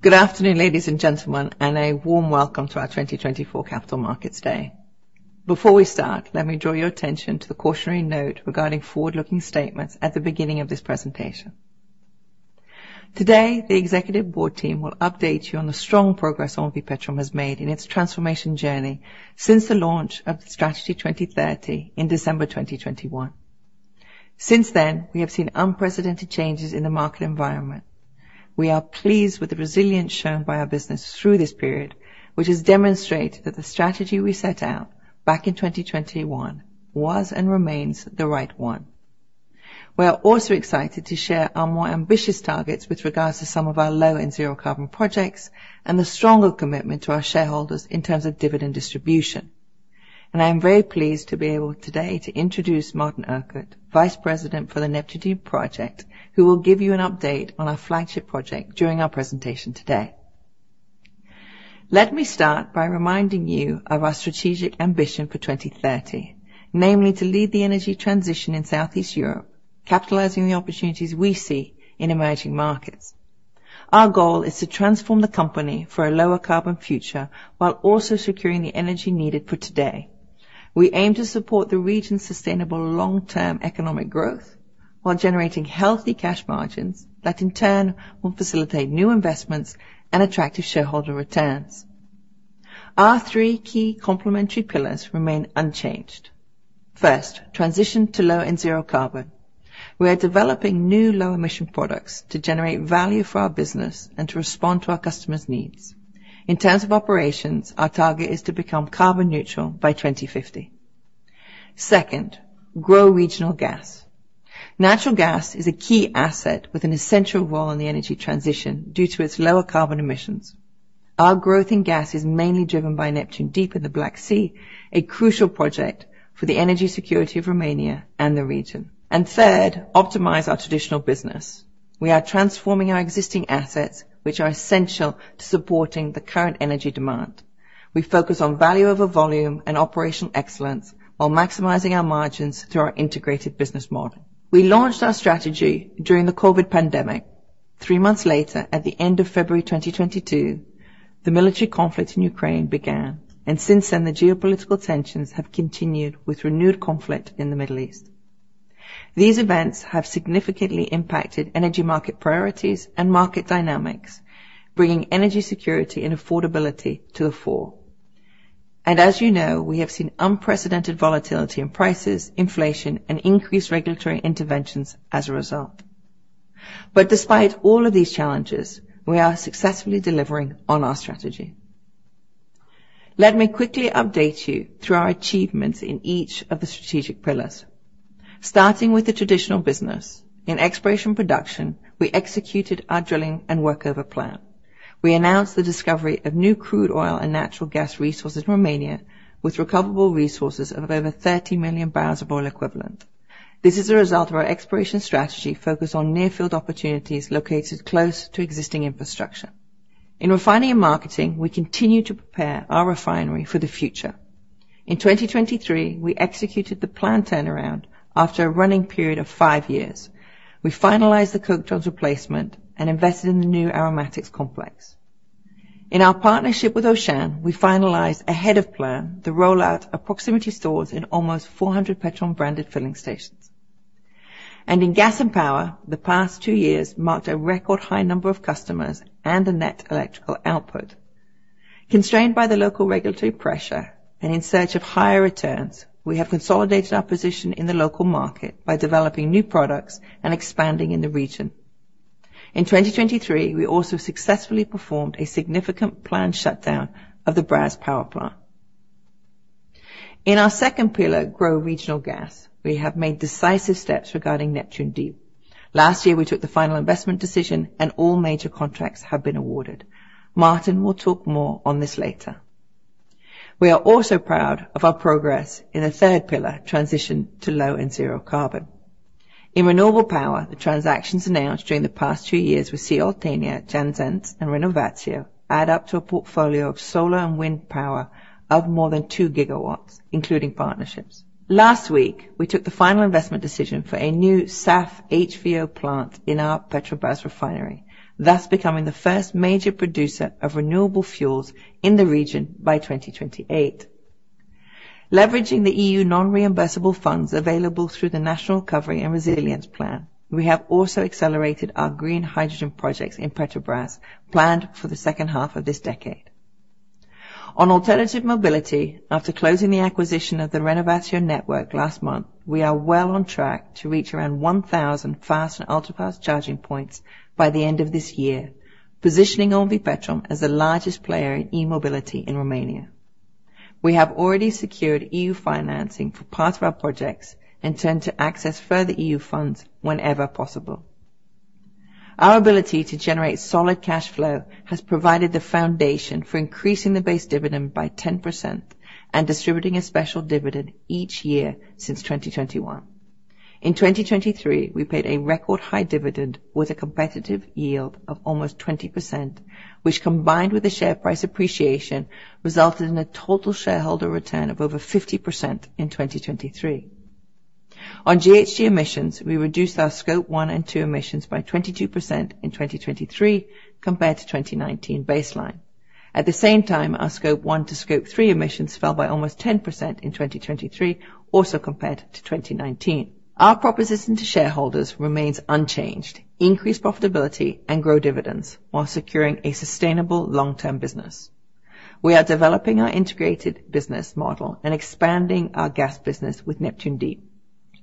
Good afternoon, ladies and gentlemen, and a warm welcome to our 2024 Capital Markets Day. Before we start, let me draw your attention to the cautionary note regarding forward-looking statements at the beginning of this presentation. Today, the executive board team will update you on the strong progress OMV Petrom has made in its transformation journey since the launch of the Strategy 2030 in December 2021. Since then, we have seen unprecedented changes in the market environment. We are pleased with the resilience shown by our business through this period, which has demonstrated that the strategy we set out back in 2021 was and remains the right one. We are also excited to share our more ambitious targets with regards to some of our low and zero carbon projects, and the stronger commitment to our shareholders in terms of dividend distribution. I am very pleased to be able today to introduce Martin Urquhart, Vice President for the Neptun Deep project, who will give you an update on our flagship project during our presentation today. Let me start by reminding you of our strategic ambition for 2030, namely, to lead the energy transition in Southeast Europe, capitalizing the opportunities we see in emerging markets. Our goal is to transform the company for a lower carbon future, while also securing the energy needed for today. We aim to support the region's sustainable long-term economic growth, while generating healthy cash margins that, in turn, will facilitate new investments and attractive shareholder returns. Our three key complementary pillars remain unchanged. First, transition to low and zero carbon. We are developing new low-emission products to generate value for our business and to respond to our customers' needs. In terms of operations, our target is to become carbon neutral by 2050. Second, grow regional gas. Natural gas is a key asset with an essential role in the energy transition due to its lower carbon emissions. Our growth in gas is mainly driven by Neptun Deep in the Black Sea, a crucial project for the energy security of Romania and the region. Third, optimize our traditional business. We are transforming our existing assets, which are essential to supporting the current energy demand. We focus on value over volume and operational excellence while maximizing our margins through our integrated business model. We launched our strategy during the COVID pandemic. Three months later, at the end of February 2022, the military conflict in Ukraine began, and since then, the geopolitical tensions have continued with renewed conflict in the Middle East. These events have significantly impacted energy market priorities and market dynamics, bringing energy security and affordability to the fore. As you know, we have seen unprecedented volatility in prices, inflation, and increased regulatory interventions as a result. Despite all of these challenges, we are successfully delivering on our strategy. Let me quickly update you through our achievements in each of the strategic pillars. Starting with the traditional business. In exploration production, we executed our drilling and workover plan. We announced the discovery of new crude oil and natural gas resources in Romania, with recoverable resources of over 30 million barrels of oil equivalent. This is a result of our exploration strategy focused on near-field opportunities located close to existing infrastructure. In refining and marketing, we continue to prepare our refinery for the future. In 2023, we executed the planned turnaround after a running period of 5 years. We finalized the coke drums replacement and invested in the new aromatics complex. In our partnership with Auchan, we finalized ahead of plan the rollout of proximity stores in almost 400 Petrom-branded filling stations. In gas and power, the past two years marked a record high number of customers and a net electrical output. Constrained by the local regulatory pressure and in search of higher returns, we have consolidated our position in the local market by developing new products and expanding in the region. In 2023, we also successfully performed a significant planned shutdown of the Brazi power plant. In our second pillar, grow regional gas, we have made decisive steps regarding Neptun Deep. Last year, we took the final investment decision, and all major contracts have been awarded. Martin will talk more on this later. We are also proud of our progress in the third pillar, transition to low and zero carbon. In renewable power, the transactions announced during the past two years with CE Oltenia, Jantzen Renewables, and Renovatio add up to a portfolio of solar and wind power of more than 2 gigawatts, including partnerships. Last week, we took the final investment decision for a new SAF HVO plant in our Petrobrazi refinery, thus becoming the first major producer of renewable fuels in the region by 2028. Leveraging the EU non-reimbursable funds available through the National Recovery and Resilience Plan, we have also accelerated our green hydrogen projects in Petrobrazi, planned for the second half of this decade. On alternative mobility, after closing the acquisition of the Renovatio network last month, we are well on track to reach around 1,000 fast and ultra-fast charging points by the end of this year, positioning OMV Petrom as the largest player in e-mobility in Romania. We have already secured EU financing for part of our projects and turn to access further EU funds whenever possible. Our ability to generate solid cash flow has provided the foundation for increasing the base dividend by 10% and distributing a special dividend each year since 2021. In 2023, we paid a record high dividend with a competitive yield of almost 20%, which, combined with the share price appreciation, resulted in a total shareholder return of over 50% in 2023. On GHG emissions, we reduced our Scope 1 and 2 emissions by 22% in 2023, compared to 2019 baseline. At the same time, our Scope 1 to Scope 3 emissions fell by almost 10% in 2023, also compared to 2019. Our proposition to shareholders remains unchanged, increase profitability and grow dividends while securing a sustainable long-term business. We are developing our integrated business model and expanding our gas business with Neptun Deep.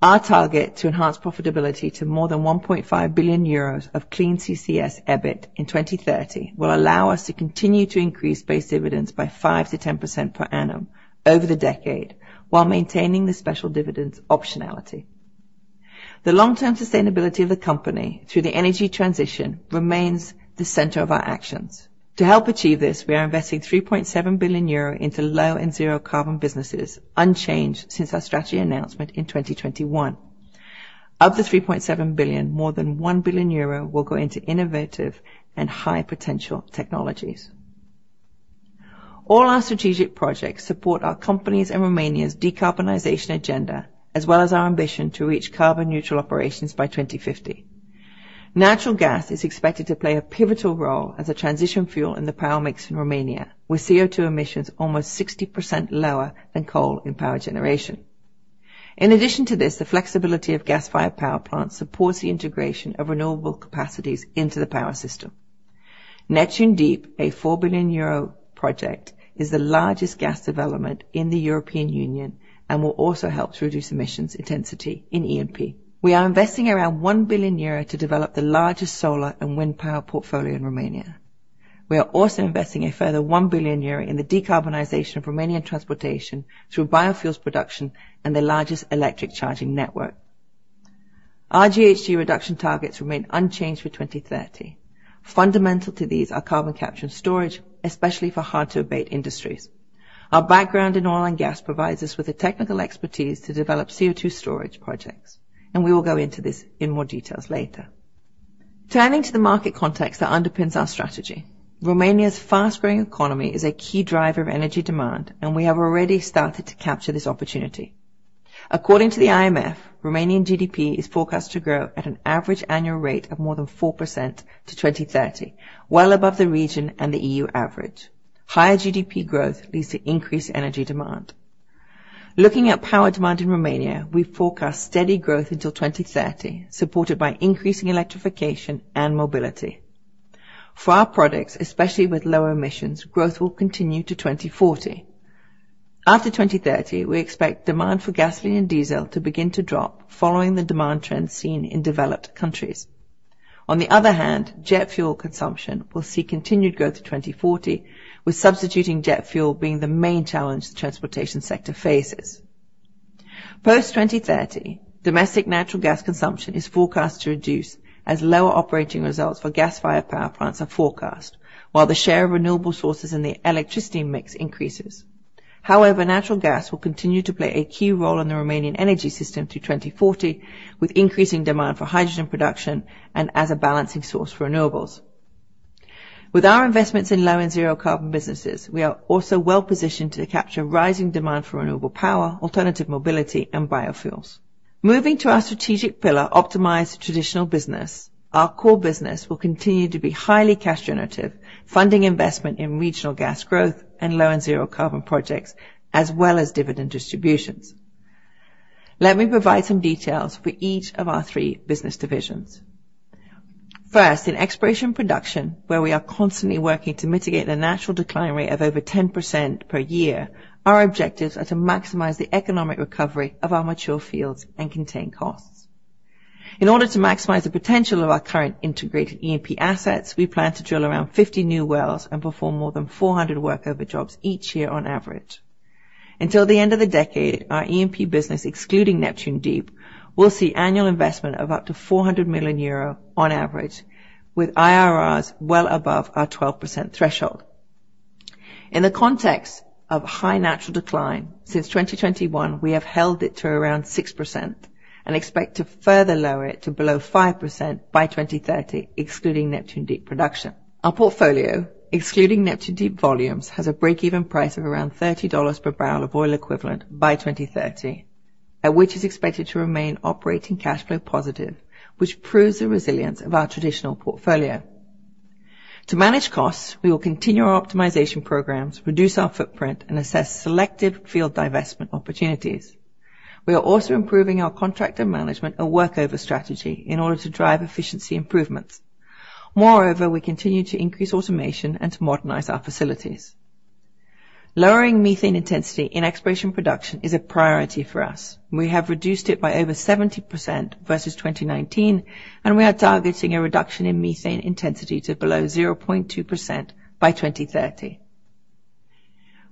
Our target to enhance profitability to more than 1.5 billion euros of Clean CCS EBIT in 2030, will allow us to continue to increase base dividends by 5% to 10% per annum over the decade, while maintaining the special dividends optionality. The long-term sustainability of the company through the energy transition, remains the center of our actions. To help achieve this, we are investing 3.7 billion euro into low and zero carbon businesses, unchanged since our strategy announcement in 2021. Of the 3.7 billion, more than 1 billion euro will go into innovative and high potential technologies. All our strategic projects support our company's and Romania's decarbonization agenda, as well as our ambition to reach carbon neutral operations by 2050. Natural gas is expected to play a pivotal role as a transition fuel in the power mix in Romania, with CO₂ emissions almost 60% lower than coal in power generation. In addition to this, the flexibility of gas-fired power plants supports the integration of renewable capacities into the power system. Neptun Deep, a 4 billion euro project, is the largest gas development in the European Union and will also help to reduce emissions intensity in E&P. We are investing around 1 billion euro to develop the largest solar and wind power portfolio in Romania. We are also investing a further 1 billion euro in the decarbonization of Romanian transportation through biofuels production and the largest electric charging network. Our GHG reduction targets remain unchanged for 2030. Fundamental to these are carbon capture and storage, especially for hard-to-abate industries. Our background in oil and gas provides us with the technical expertise to develop CO₂ storage projects, and we will go into this in more details later. Turning to the market context that underpins our strategy, Romania's fast-growing economy is a key driver of energy demand, and we have already started to capture this opportunity. According to the IMF, Romanian GDP is forecast to grow at an average annual rate of more than 4% to 2030, well above the region and the EU average. Higher GDP growth leads to increased energy demand. Looking at power demand in Romania, we forecast steady growth until 2030, supported by increasing electrification and mobility. For our products, especially with low emissions, growth will continue to 2040. After 2030, we expect demand for gasoline and diesel to begin to drop, following the demand trend seen in developed countries. On the other hand, jet fuel consumption will see continued growth to 2040, with substituting jet fuel being the main challenge the transportation sector faces. Post-2030, domestic natural gas consumption is forecast to reduce as lower operating results for gas-fired power plants are forecast, while the share of renewable sources in the electricity mix increases. However, natural gas will continue to play a key role in the Romanian energy system through 2040, with increasing demand for hydrogen production and as a balancing source for renewables. With our investments in low and zero carbon businesses, we are also well-positioned to capture rising demand for renewable power, alternative mobility, and biofuels. Moving to our strategic pillar, optimize traditional business. Our core business will continue to be highly cash generative, funding investment in regional gas growth and low and zero carbon projects, as well as dividend distributions. Let me provide some details for each of our three business divisions. First, in exploration production, where we are constantly working to mitigate the natural decline rate of over 10% per year, our objectives are to maximize the economic recovery of our mature fields and contain costs. In order to maximize the potential of our current integrated E&P assets, we plan to drill around 50 new wells and perform more than 400 workover jobs each year on average. Until the end of the decade, our E&P business, excluding Neptun Deep, will see annual investment of up to 400 million euro on average, with IRRs well above our 12% threshold. In the context of high natural decline, since 2021, we have held it to around 6% and expect to further lower it to below 5% by 2030, excluding Neptun Deep production. Our portfolio, excluding Neptun Deep volumes, has a break-even price of around $30 per barrel of oil equivalent by 2030, at which is expected to remain operating cash flow positive, which proves the resilience of our traditional portfolio. To manage costs, we will continue our optimization programs, reduce our footprint, and assess selective field divestment opportunities. We are also improving our contractor management and workover strategy in order to drive efficiency improvements. Moreover, we continue to increase automation and to modernize our facilities. Lowering methane intensity in exploration production is a priority for us. We have reduced it by over 70% versus 2019, and we are targeting a reduction in methane intensity to below 0.2% by 2030.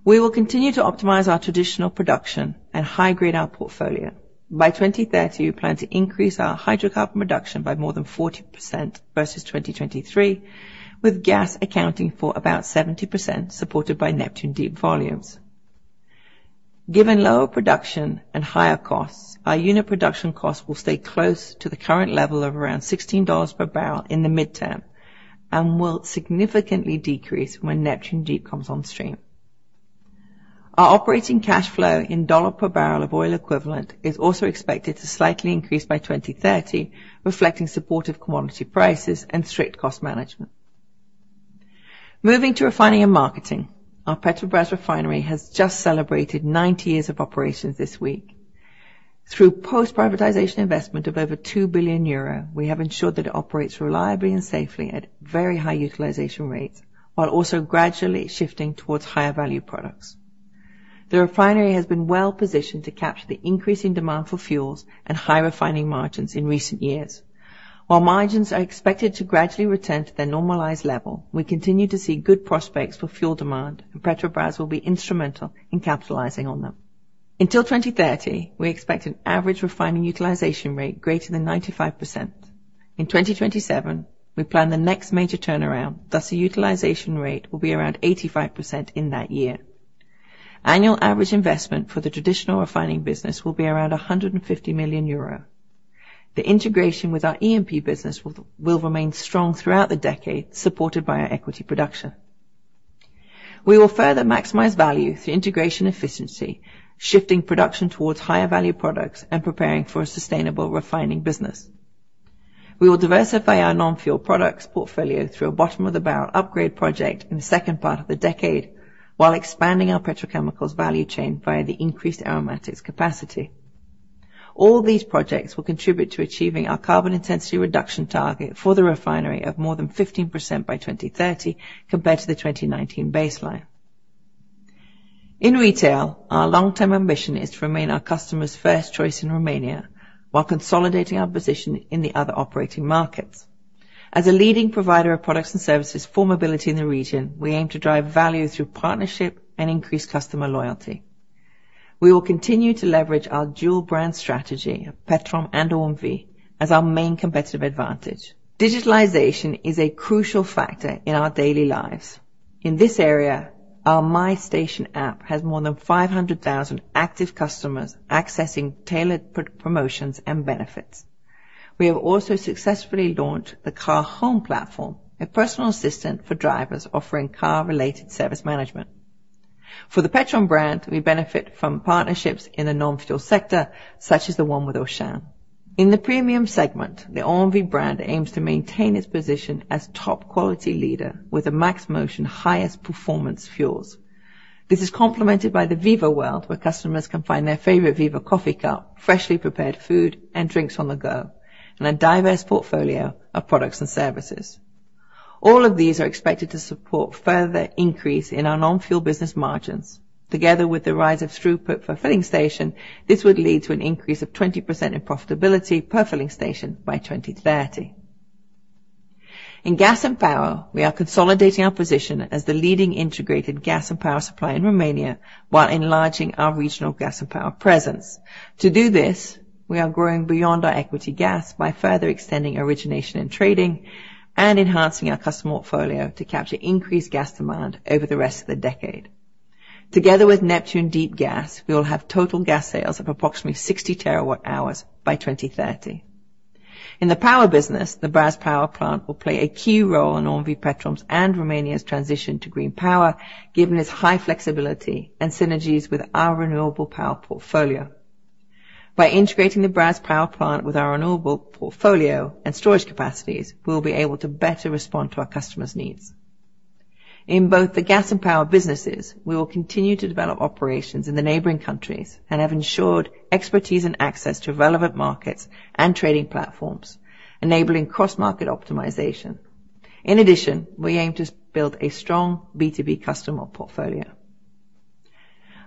We will continue to optimize our traditional production and high-grade our portfolio. By 2030, we plan to increase our hydrocarbon production by more than 40% versus 2023, with gas accounting for about 70%, supported by Neptun Deep volumes. Given lower production and higher costs, our unit production cost will stay close to the current level of around $16 per barrel in the midterm and will significantly decrease when Neptun Deep comes on stream. Our operating cash flow in $ per barrel of oil equivalent is also expected to slightly increase by 2030, reflecting supportive commodity prices and strict cost management. Moving to refining and marketing, our Petrobrazi refinery has just celebrated 90 years of operations this week. Through post-privatization investment of over 2 billion euro, we have ensured that it operates reliably and safely at very high utilization rates, while also gradually shifting towards higher value products. The refinery has been well positioned to capture the increasing demand for fuels and high refining margins in recent years. While margins are expected to gradually return to their normalized level, we continue to see good prospects for fuel demand, and Petrobrazi will be instrumental in capitalizing on them. Until 2030, we expect an average refining utilization rate greater than 95%. In 2027, we plan the next major turnaround, thus the utilization rate will be around 85% in that year. Annual average investment for the traditional refining business will be around 150 million euro. The integration with our E&P business will remain strong throughout the decade, supported by our equity production. We will further maximize value through integration efficiency, shifting production towards higher value products, and preparing for a sustainable refining business. We will diversify our non-fuel products portfolio through a bottom-of-the-barrel upgrade project in the second part of the decade, while expanding our petrochemicals value chain via the increased aromatics capacity. All these projects will contribute to achieving our carbon intensity reduction target for the refinery of more than 15% by 2030, compared to the 2019 baseline. In retail, our long-term ambition is to remain our customers' first choice in Romania, while consolidating our position in the other operating markets. As a leading provider of products and services for mobility in the region, we aim to drive value through partnership and increase customer loyalty. We will continue to leverage our dual brand strategy, Petrom and OMV, as our main competitive advantage. Digitalization is a crucial factor in our daily lives. In this area, our MyStation app has more than 500,000 active customers accessing tailored promotions and benefits. We have also successfully launched the CarHome platform, a personal assistant for drivers offering car-related service management. For the Petrom brand, we benefit from partnerships in the non-fuel sector, such as the one with Auchan. In the premium segment, the OMV brand aims to maintain its position as top quality leader with a MaxxMotion highest performance fuels. This is complemented by the Viva World, where customers can find their favorite Viva coffee cup, freshly prepared food, and drinks on the go, and a diverse portfolio of products and services. All of these are expected to support further increase in our non-fuel business margins. Together with the rise of throughput for filling station, this would lead to an increase of 20% in profitability per filling station by 2030. In gas and power, we are consolidating our position as the leading integrated gas and power supplier in Romania, while enlarging our regional gas and power presence. To do this, we are growing beyond our equity gas by further extending origination and trading, and enhancing our customer portfolio to capture increased gas demand over the rest of the decade. Together with Neptun Deep gas, we will have total gas sales of approximately 60 terawatt hours by 2030. In the power business, the Brazi power plant will play a key role in OMV Petrom's and Romania's transition to green power, given its high flexibility and synergies with our renewable power portfolio. By integrating the Brazi power plant with our renewable portfolio and storage capacities, we will be able to better respond to our customers' needs. In both the gas and power businesses, we will continue to develop operations in the neighboring countries and have ensured expertise and access to relevant markets and trading platforms, enabling cross-market optimization. In addition, we aim to build a strong B2B customer portfolio.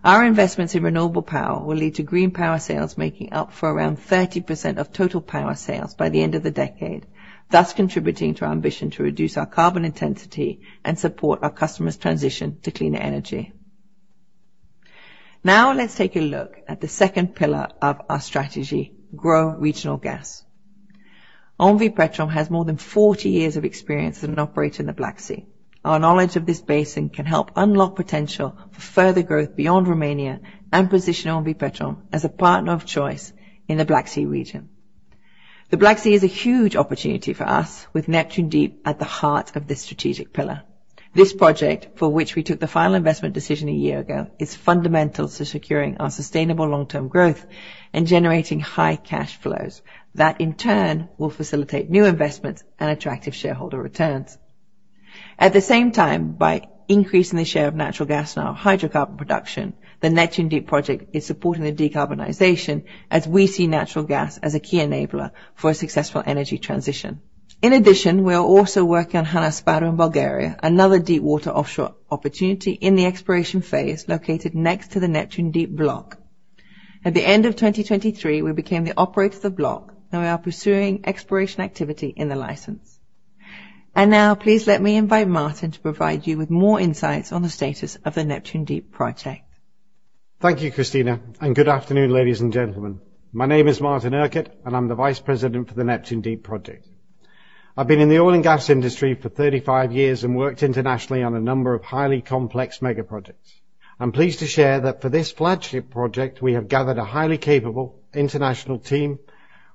Our investments in renewable power will lead to green power sales, making up for around 30% of total power sales by the end of the decade, thus contributing to our ambition to reduce our carbon intensity and support our customers' transition to cleaner energy. Now, let's take a look at the second pillar of our strategy: grow regional gas. OMV Petrom has more than 40 years of experience in operating the Black Sea. Our knowledge of this basin can help unlock potential for further growth beyond Romania and position OMV Petrom as a partner of choice in the Black Sea region. The Black Sea is a huge opportunity for us, with Neptun Deep at the heart of this strategic pillar. This project, for which we took the final investment decision a year ago, is fundamental to securing our sustainable long-term growth and generating high cash flows that, in turn, will facilitate new investments and attractive shareholder returns. At the same time, by increasing the share of natural gas in our hydrocarbon production, the Neptun Deep project is supporting the decarbonization, as we see natural gas as a key enabler for a successful energy transition. In addition, we are also working on Han Asparuh in Bulgaria, another deepwater offshore opportunity in the exploration phase, located next to the Neptun Deep block. At the end of 2023, we became the operator of the block, and we are pursuing exploration activity in the license. Now, please let me invite Martin to provide you with more insights on the status of the Neptun Deep project. Thank you, Christina, and good afternoon, ladies and gentlemen. My name is Martin Urquhart, and I'm the Vice President for the Neptun Deep project. I've been in the oil and gas industry for 35 years and worked internationally on a number of highly complex mega projects. I'm pleased to share that for this flagship project, we have gathered a highly capable international team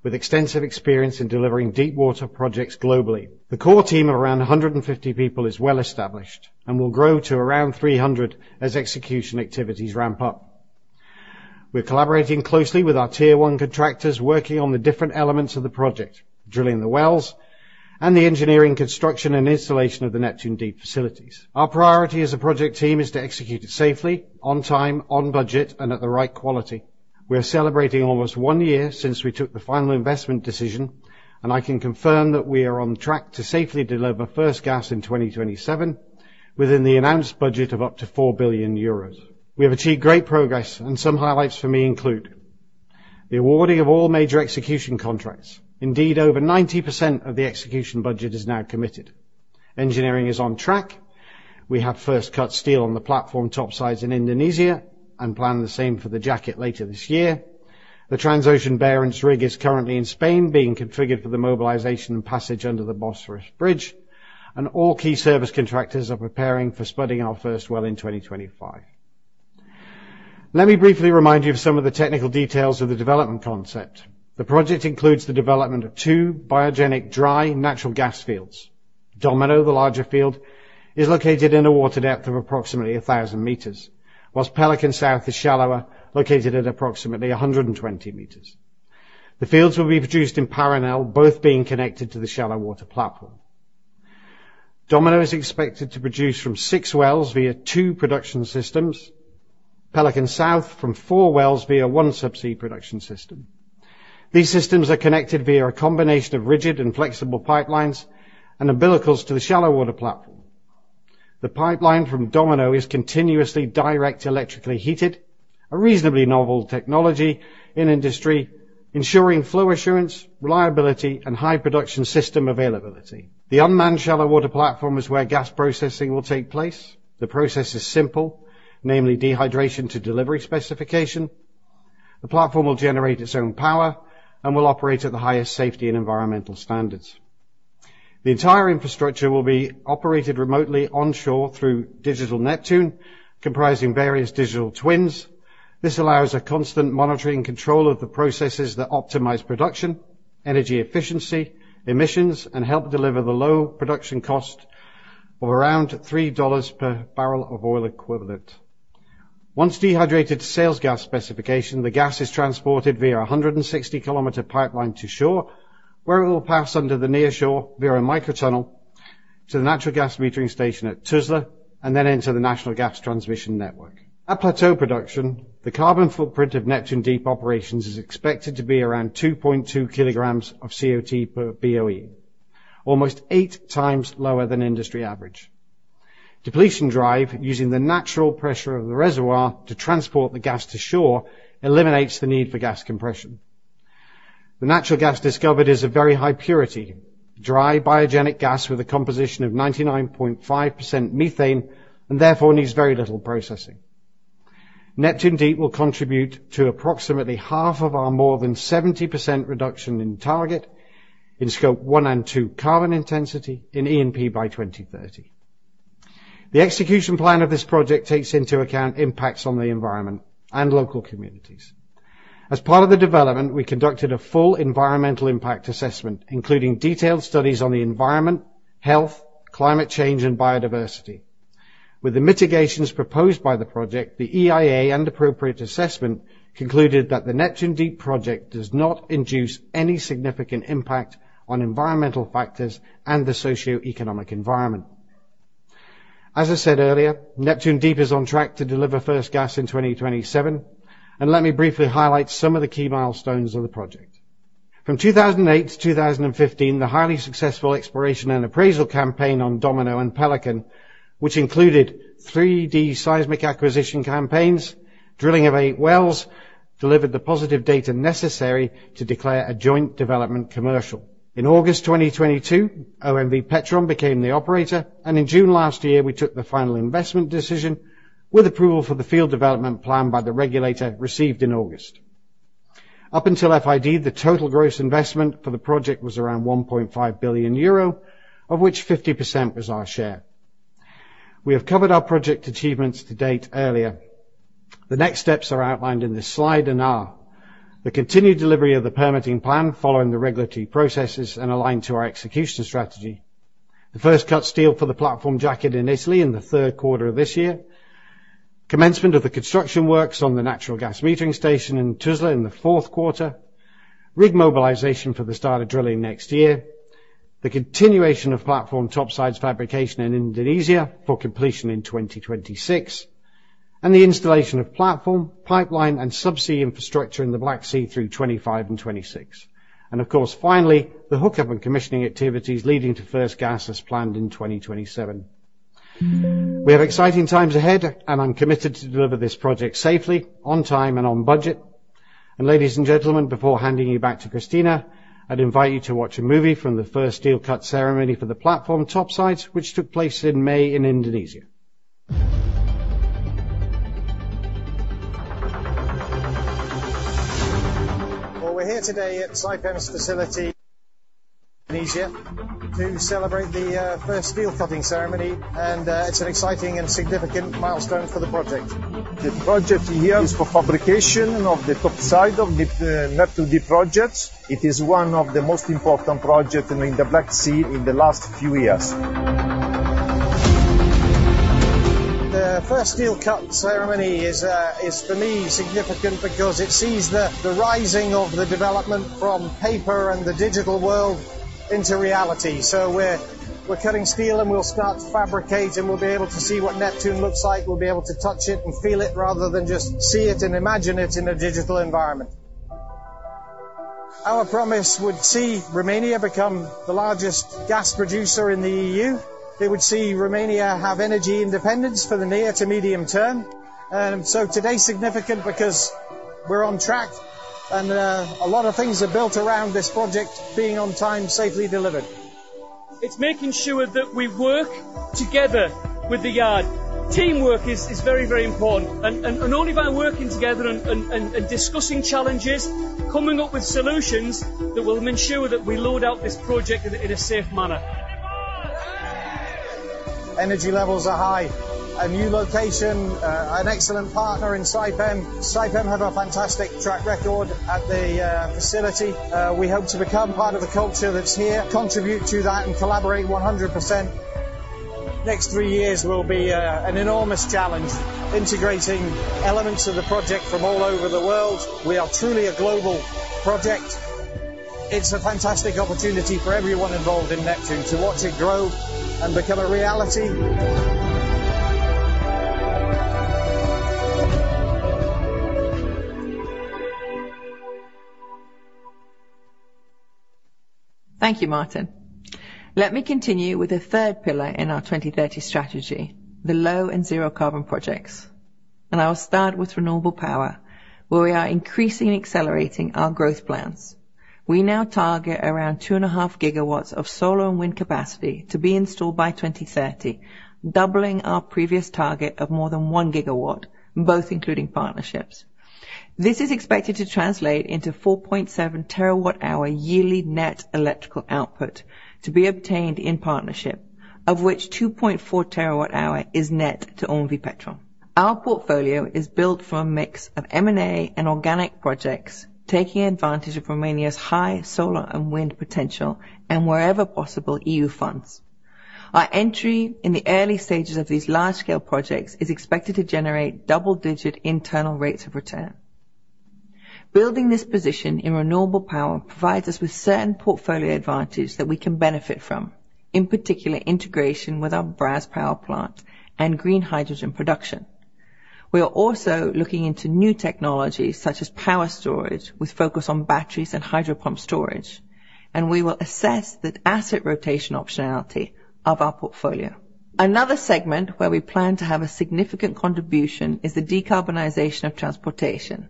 with extensive experience in delivering deepwater projects globally. The core team of around 150 people is well-established and will grow to around 300 as execution activities ramp up.... We're collaborating closely with our tier one contractors, working on the different elements of the project, drilling the wells, and the engineering, construction, and installation of the Neptun Deep facilities. Our priority as a project team is to execute it safely, on time, on budget, and at the right quality. We are celebrating almost one year since we took the final investment decision, and I can confirm that we are on track to safely deliver first gas in 2027, within the announced budget of up to 4 billion euros. We have achieved great progress, and some highlights for me include: the awarding of all major execution contracts. Indeed, over 90% of the execution budget is now committed. Engineering is on track. We have first cut steel on the platform topsides in Indonesia, and plan the same for the jacket later this year. The Transocean Barents rig is currently in Spain, being configured for the mobilization passage under the Bosphorus Bridge, and all key service contractors are preparing for spudding our first well in 2025. Let me briefly remind you of some of the technical details of the development concept. The project includes the development of two biogenic dry natural gas fields. Domino, the larger field, is located in a water depth of approximately 1,000 meters, whilst Pelican South is shallower, located at approximately 120 meters. The fields will be produced in parallel, both being connected to the shallow water platform. Domino is expected to produce from 6 wells via 2 production systems, Pelican South from 4 wells via 1 subsea production system. These systems are connected via a combination of rigid and flexible pipelines and umbilicals to the shallow water platform. The pipeline from Domino is continuously direct, electrically heated, a reasonably novel technology in industry, ensuring flow assurance, reliability, and high production system availability. The unmanned shallow water platform is where gas processing will take place. The process is simple, namely dehydration to delivery specification. The platform will generate its own power and will operate at the highest safety and environmental standards. The entire infrastructure will be operated remotely onshore through Digital Neptune, comprising various digital twins. This allows a constant monitoring control of the processes that optimize production, energy efficiency, emissions, and help deliver the low production cost of around $3 per BOE. Once dehydrated to sales gas specification, the gas is transported via a 160-kilometer pipeline to shore, where it will pass under the near shore via a micro tunnel to the natural gas metering station at Tuzla, and then enter the National Gas Transmission network. At plateau production, the carbon footprint of Neptun Deep operations is expected to be around 2.2 kg of CO₂ per BOE, almost 8 times lower than industry average. Depletion drive, using the natural pressure of the reservoir to transport the gas to shore, eliminates the need for gas compression. The natural gas discovered is a very high purity, dry biogenic gas with a composition of 99.5% methane, and therefore needs very little processing. Neptun Deep will contribute to approximately half of our more than 70% reduction in target in Scope 1 and 2 carbon intensity in E&P by 2030. The execution plan of this project takes into account impacts on the environment and local communities. As part of the development, we conducted a full environmental impact assessment, including detailed studies on the environment, health, climate change, and biodiversity. With the mitigations proposed by the project, the EIA and appropriate assessment concluded that the Neptun Deep project does not induce any significant impact on environmental factors and the socioeconomic environment. As I said earlier, Neptun Deep is on track to deliver first gas in 2027, and let me briefly highlight some of the key milestones of the project. From 2008 to 2015, the highly successful exploration and appraisal campaign on Domino and Pelican, which included 3D seismic acquisition campaigns, drilling of 8 wells, delivered the positive data necessary to declare a joint development commercial. In August 2022, OMV Petrom became the operator, and in June last year, we took the final investment decision with approval for the field development plan by the regulator, received in August. Up until FID, the total gross investment for the project was around 1.5 billion euro, of which 50% was our share. We have covered our project achievements to date earlier. The next steps are outlined in this slide and are: the continued delivery of the permitting plan following the regulatory processes and aligned to our execution strategy, the first cut steel for the platform jacket in Italy in the third quarter of this year, commencement of the construction works on the natural gas metering station in Tuzla in the fourth quarter, rig mobilization for the start of drilling next year, the continuation of platform topsides fabrication in Indonesia for completion in 2026, and the installation of platform, pipeline, and subsea infrastructure in the Black Sea through 2025 and 2026. Of course, finally, the hookup and commissioning activities leading to first gas as planned in 2027. We have exciting times ahead, and I'm committed to deliver this project safely, on time, and on budget. Ladies and gentlemen, before handing you back to Christina, I'd invite you to watch a movie from the first steel cut ceremony for the platform topsides, which took place in May in Indonesia. Well, we're here today at Saipem's facility, Indonesia, to celebrate the first steel cutting ceremony, and it's an exciting and significant milestone for the project. The project here is for fabrication of the topside of the Neptun Deep projects. It is one of the most important project in the Black Sea in the last few years.... The first steel cut ceremony is, is for me, significant because it sees the rising of the development from paper and the digital world into reality. So we're cutting steel, and we'll start to fabricate, and we'll be able to see what Neptun looks like. We'll be able to touch it and feel it, rather than just see it and imagine it in a digital environment. Our promise would see Romania become the largest gas producer in the EU. It would see Romania have energy independence for the near to medium term. So today is significant because we're on track, and a lot of things are built around this project being on time, safely delivered. It's making sure that we work together with the yard. Teamwork is very, very important, and only by working together and discussing challenges, coming up with solutions that will ensure that we load out this project in a safe manner. Energy levels are high. A new location, an excellent partner in Saipem. Saipem have a fantastic track record at the facility. We hope to become part of the culture that's here, contribute to that, and collaborate 100%. The next 3 years will be an enormous challenge, integrating elements of the project from all over the world. We are truly a global project. It's a fantastic opportunity for everyone involved in Neptun to watch it grow and become a reality. Thank you, Martin. Let me continue with the third pillar in our 2030 strategy, the low and zero carbon projects. I will start with renewable power, where we are increasing and accelerating our growth plans. We now target around 2.5 gigawatts of solar and wind capacity to be installed by 2030, doubling our previous target of more than 1 gigawatt, both including partnerships. This is expected to translate into 4.7 TWh yearly net electrical output to be obtained in partnership, of which 2.4 TWh is net to OMV Petrom. Our portfolio is built from a mix of M&A and organic projects, taking advantage of Romania's high solar and wind potential and wherever possible, EU funds. Our entry in the early stages of these large-scale projects is expected to generate double-digit internal rates of return. Building this position in renewable power provides us with certain portfolio advantage that we can benefit from, in particular, integration with our Brazi power plant and green hydrogen production. We are also looking into new technologies, such as power storage, with focus on batteries and hydro pump storage, and we will assess the asset rotation optionality of our portfolio. Another segment where we plan to have a significant contribution is the decarbonization of transportation.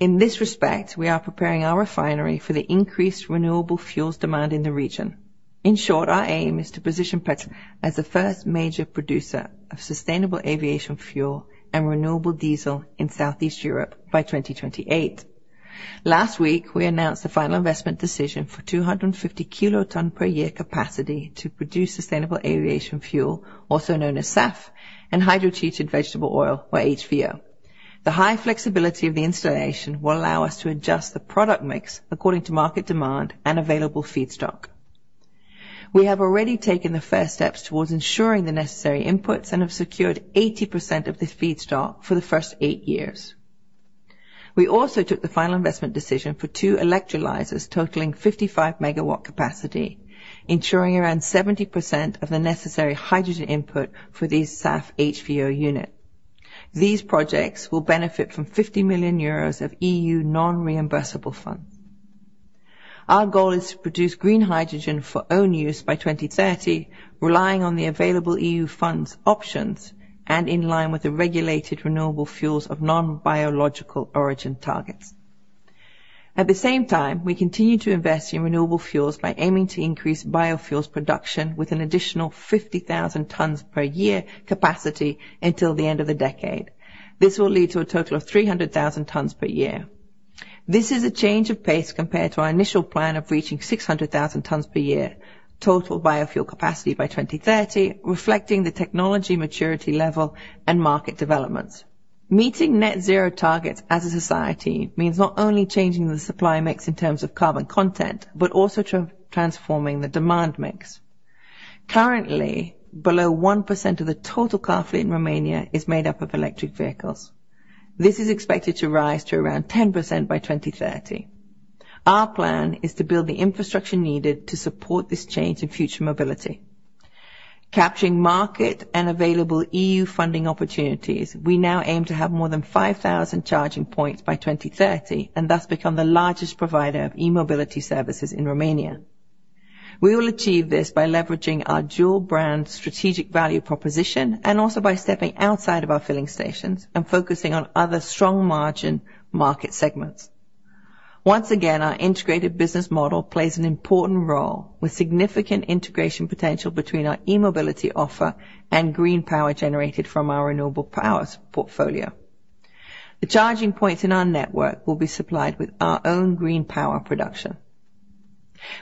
In this respect, we are preparing our refinery for the increased renewable fuels demand in the region. In short, our aim is to position Petrom as the first major producer of sustainable aviation fuel and renewable diesel in Southeast Europe by 2028. Last week, we announced the final investment decision for 250 kiloton per year capacity to produce sustainable aviation fuel, also known as SAF, and hydrotreated vegetable oil, or HVO. The high flexibility of the installation will allow us to adjust the product mix according to market demand and available feedstock. We have already taken the first steps towards ensuring the necessary inputs and have secured 80% of the feedstock for the first 8 years. We also took the final investment decision for two electrolyzers, totaling 55 MW capacity, ensuring around 70% of the necessary hydrogen input for the SAF HVO unit. These projects will benefit from 50 million euros of EU non-reimbursable funds. Our goal is to produce green hydrogen for own use by 2030, relying on the available EU funds options and in line with the regulated renewable fuels of non-biological origin targets. At the same time, we continue to invest in renewable fuels by aiming to increase biofuels production with an additional 50,000 tons per year capacity until the end of the decade. This will lead to a total of 300,000 tons per year. This is a change of pace compared to our initial plan of reaching 600,000 tons per year, total biofuel capacity by 2030, reflecting the technology maturity level and market developments. Meeting net zero targets as a society means not only changing the supply mix in terms of carbon content, but also transforming the demand mix. Currently, below 1% of the total car fleet in Romania is made up of electric vehicles. This is expected to rise to around 10% by 2030. Our plan is to build the infrastructure needed to support this change in future mobility. Capturing market and available EU funding opportunities, we now aim to have more than 5,000 charging points by 2030, and thus become the largest provider of e-mobility services in Romania. We will achieve this by leveraging our dual brand strategic value proposition, and also by stepping outside of our filling stations and focusing on other strong margin market segments. Once again, our integrated business model plays an important role, with significant integration potential between our e-mobility offer and green power generated from our renewable powers portfolio. The charging points in our network will be supplied with our own green power production.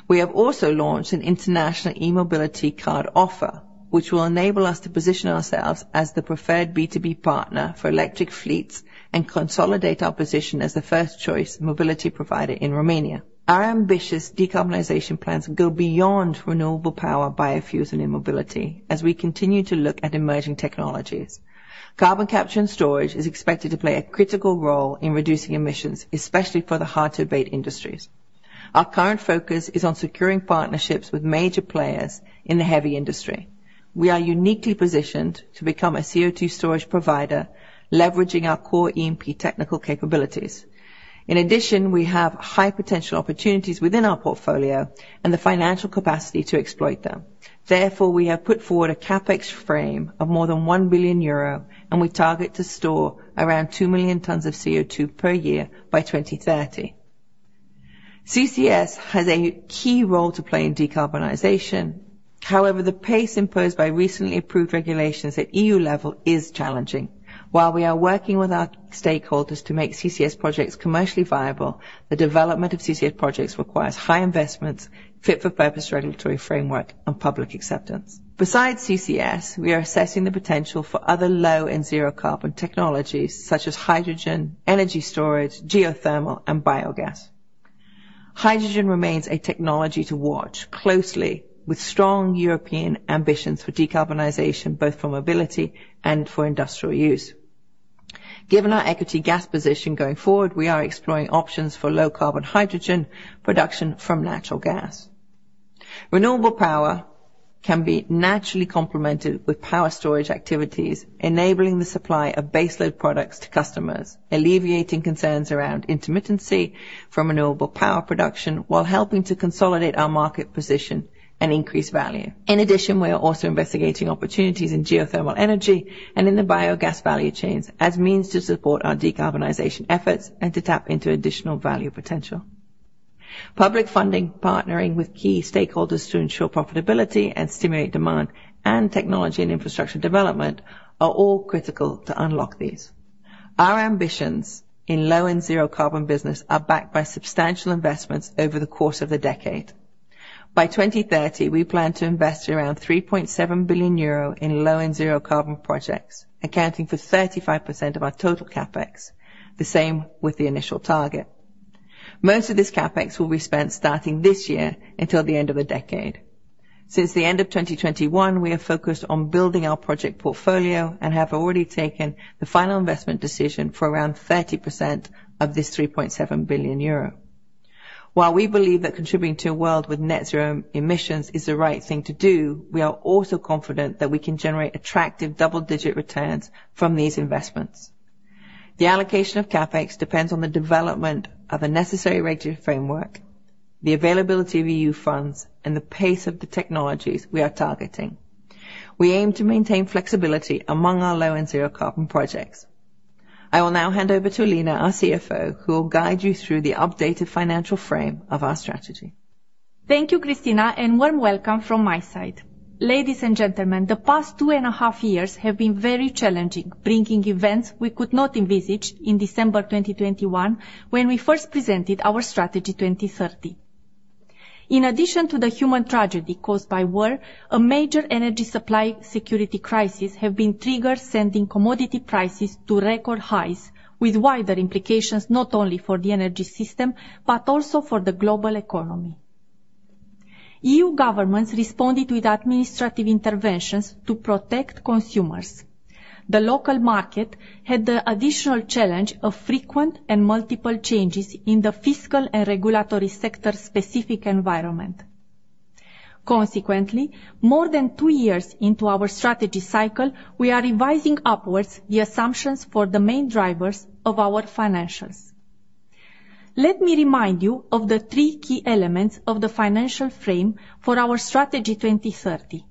We have also launched an international e-mobility card offer, which will enable us to position ourselves as the preferred B2B partner for electric fleets, and consolidate our position as the first choice mobility provider in Romania. Our ambitious decarbonization plans go beyond renewable power, biofuels, and e-mobility, as we continue to look at emerging technologies. Carbon capture and storage is expected to play a critical role in reducing emissions, especially for the hard-to-abate industries. Our current focus is on securing partnerships with major players in the heavy industry. We are uniquely positioned to become a CO2 storage provider, leveraging our core EMP technical capabilities. In addition, we have high potential opportunities within our portfolio and the financial capacity to exploit them. Therefore, we have put forward a CapEx frame of more than 1 billion euro, and we target to store around 2 million tons of CO2 per year by 2030. CCS has a key role to play in decarbonization. However, the pace imposed by recently approved regulations at EU level is challenging. While we are working with our stakeholders to make CCS projects commercially viable, the development of CCS projects requires high investments, fit-for-purpose regulatory framework, and public acceptance. Besides CCS, we are assessing the potential for other low and zero carbon technologies, such as hydrogen, energy storage, geothermal, and biogas. Hydrogen remains a technology to watch closely, with strong European ambitions for decarbonization, both for mobility and for industrial use. Given our equity gas position going forward, we are exploring options for low-carbon hydrogen production from natural gas. Renewable power can be naturally complemented with power storage activities, enabling the supply of base load products to customers, alleviating concerns around intermittency from renewable power production, while helping to consolidate our market position and increase value. In addition, we are also investigating opportunities in geothermal energy and in the biogas value chains as means to support our decarbonization efforts and to tap into additional value potential. Public funding, partnering with key stakeholders to ensure profitability and stimulate demand, and technology and infrastructure development are all critical to unlock these. Our ambitions in low and zero carbon business are backed by substantial investments over the course of the decade By 2030, we plan to invest around 3.7 billion euro in low and zero carbon projects, accounting for 35% of our total CapEx, the same with the initial target. Most of this CapEx will be spent starting this year until the end of the decade. Since the end of 2021, we have focused on building our project portfolio and have already taken the final investment decision for around 30% of this 3.7 billion euro. While we believe that contributing to a world with net zero emissions is the right thing to do, we are also confident that we can generate attractive double-digit returns from these investments. The allocation of CapEx depends on the development of a necessary regulatory framework, the availability of EU funds, and the pace of the technologies we are targeting. We aim to maintain flexibility among our low and zero carbon projects. I will now hand over to Alina, our CFO, who will guide you through the updated financial frame of our strategy. Thank you, Christina, and warm welcome from my side. Ladies and gentlemen, the past two and a half years have been very challenging, bringing events we could not envisage in December 2021, when we first presented our Strategy 2030. In addition to the human tragedy caused by war, a major energy supply security crisis have been triggered, sending commodity prices to record highs, with wider implications, not only for the energy system, but also for the global economy. EU governments responded with administrative interventions to protect consumers. The local market had the additional challenge of frequent and multiple changes in the fiscal and regulatory sector-specific environment. Consequently, more than two years into our strategy cycle, we are revising upwards the assumptions for the main drivers of our financials. Let me remind you of the three key elements of the financial frame for our Strategy 2030: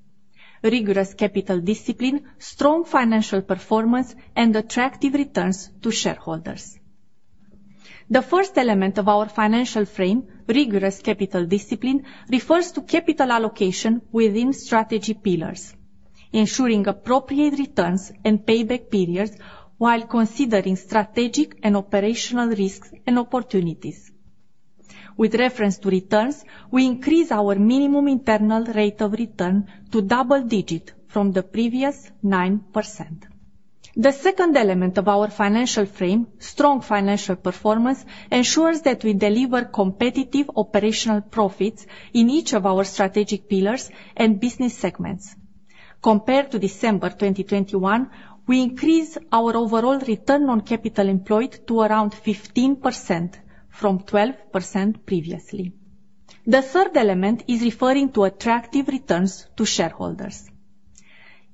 rigorous capital discipline, strong financial performance, and attractive returns to shareholders. The first element of our financial frame, rigorous capital discipline, refers to capital allocation within strategy pillars, ensuring appropriate returns and payback periods, while considering strategic and operational risks and opportunities. With reference to returns, we increase our minimum internal rate of return to double-digit from the previous 9%. The second element of our financial frame, strong financial performance, ensures that we deliver competitive operational profits in each of our strategic pillars and business segments. Compared to December 2021, we increase our overall return on capital employed to around 15% from 12% previously. The third element is referring to attractive returns to shareholders.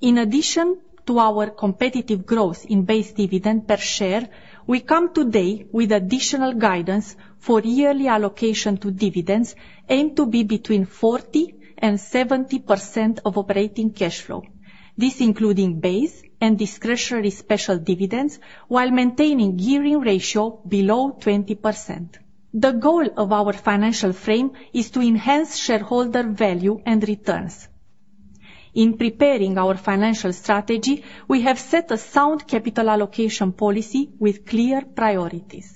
In addition to our competitive growth in base dividend per share, we come today with additional guidance for yearly allocation to dividends, aimed to be between 40% and 70% of operating cash flow. This, including base and discretionary special dividends, while maintaining gearing ratio below 20%. The goal of our financial frame is to enhance shareholder value and returns. In preparing our financial strategy, we have set a sound capital allocation policy with clear priorities.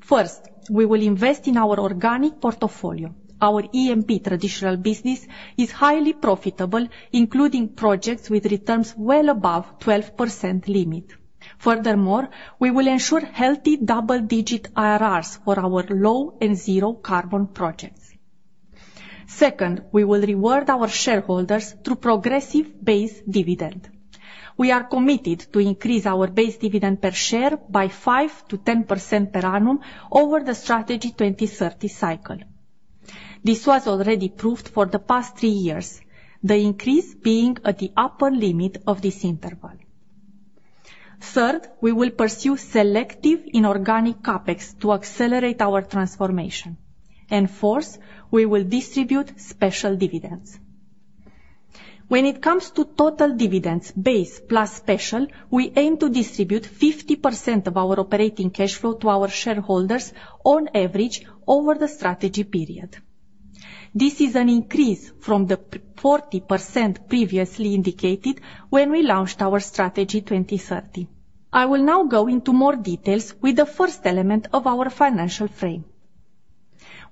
First, we will invest in our organic portfolio. Our E&P traditional business is highly profitable, including projects with returns well above 12% limit. Furthermore, we will ensure healthy double-digit IRRs for our low and zero carbon projects. Second, we will reward our shareholders through progressive base dividend. We are committed to increase our base dividend per share by 5% to 10% per annum over the Strategy 2030 cycle. This was already proved for the past 3 years, the increase being at the upper limit of this interval. Third, we will pursue selective inorganic CapEx to accelerate our transformation. Fourth, we will distribute special dividends. When it comes to total dividends, base plus special, we aim to distribute 50% of our operating cash flow to our shareholders on average over the strategy period. This is an increase from the 40% previously indicated when we launched our Strategy 2030. I will now go into more details with the first element of our financial frame.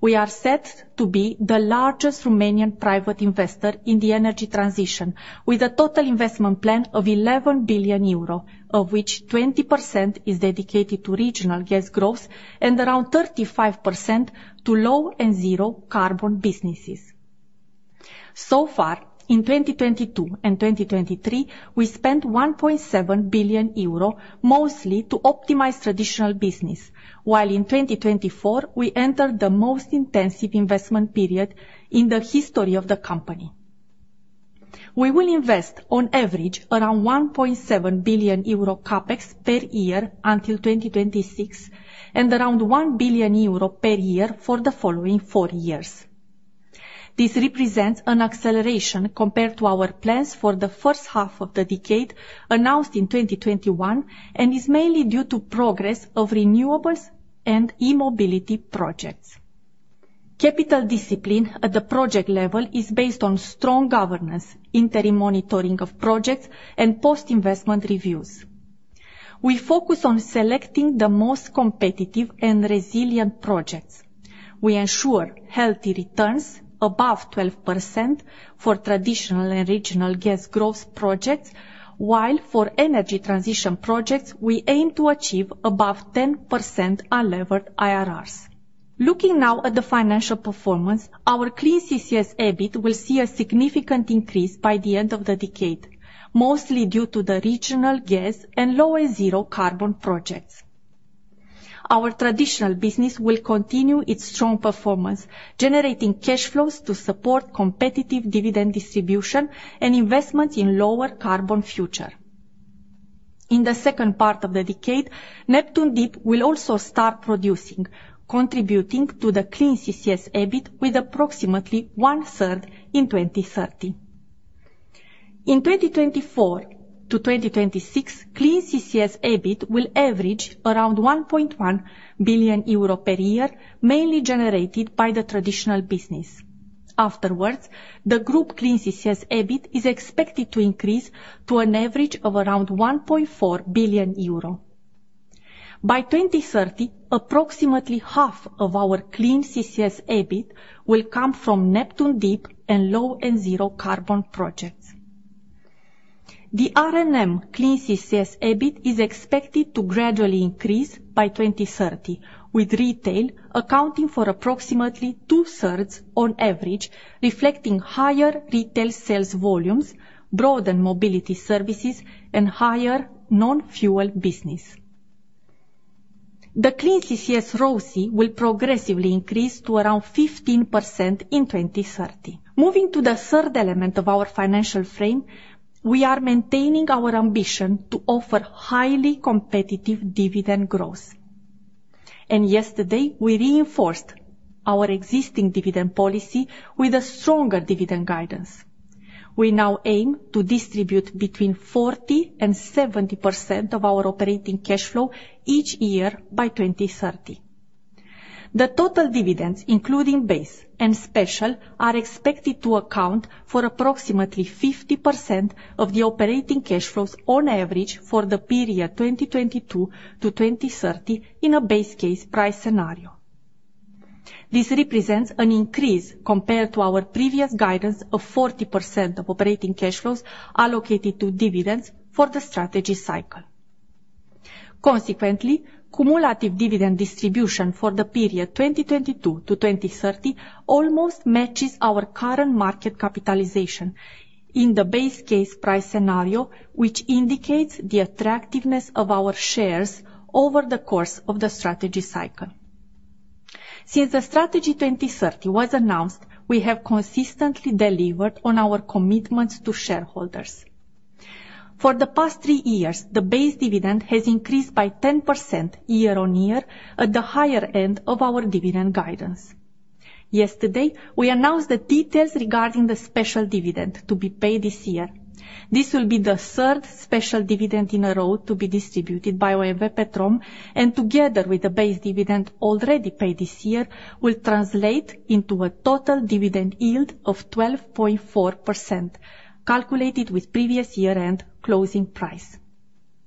We are set to be the largest Romanian private investor in the energy transition, with a total investment plan of 11 billion euro, of which 20% is dedicated to regional gas growth and around 35% to low and zero carbon businesses. So far, in 2022 and 2023, we spent 1.7 billion euro, mostly to optimize traditional business, while in 2024, we entered the most intensive investment period in the history of the company. We will invest on average, around 1.7 billion euro CapEx per year until 2026, and around 1 billion euro per year for the following four years. This represents an acceleration compared to our plans for the first half of the decade, announced in 2021, and is mainly due to progress of renewables and e-mobility projects. Capital discipline at the project level is based on strong governance, interim monitoring of projects, and post-investment reviews. We focus on selecting the most competitive and resilient projects. We ensure healthy returns above 12% for traditional and regional gas growth projects, while for energy transition projects, we aim to achieve above 10% unlevered IRRs. Looking now at the financial performance, our Clean CCS EBIT will see a significant increase by the end of the decade, mostly due to the regional gas and low and zero carbon projects. Our traditional business will continue its strong performance, generating cash flows to support competitive dividend distribution and investments in lower carbon future. In the second part of the decade, Neptun Deep will also start producing, contributing to the Clean CCS EBIT with approximately one-third in 2030. In 2024 to 2026, Clean CCS EBIT will average around 1.1 billion euro per year, mainly generated by the traditional business. Afterwards, the group Clean CCS EBIT is expected to increase to an average of around 1.4 billion euro. By 2030, approximately half of our Clean CCS EBIT will come from Neptun Deep and low and zero carbon projects. The R&M Clean CCS EBIT is expected to gradually increase by 2030, with retail accounting for approximately two-thirds on average, reflecting higher retail sales volumes, broadened mobility services, and higher non-fuel business. The Clean CCS ROCE will progressively increase to around 15% in 2030. Moving to the third element of our financial frame, we are maintaining our ambition to offer highly competitive dividend growth. And yesterday, we reinforced our existing dividend policy with a stronger dividend guidance. We now aim to distribute between 40% and 70% of our operating cash flow each year by 2030. The total dividends, including base and special, are expected to account for approximately 50% of the operating cash flows on average for the period 2022 to 2030 in a base case price scenario. This represents an increase compared to our previous guidance of 40% of operating cash flows allocated to dividends for the strategy cycle. Consequently, cumulative dividend distribution for the period 2022 to 2030 almost matches our current market capitalization in the base case price scenario, which indicates the attractiveness of our shares over the course of the strategy cycle. Since the Strategy 2030 was announced, we have consistently delivered on our commitments to shareholders. For the past three years, the base dividend has increased by 10% year-on-year at the higher end of our dividend guidance. Yesterday, we announced the details regarding the special dividend to be paid this year. This will be the third special dividend in a row to be distributed by OMV Petrom, and together with the base dividend already paid this year, will translate into a total dividend yield of 12.4%, calculated with previous year-end closing price.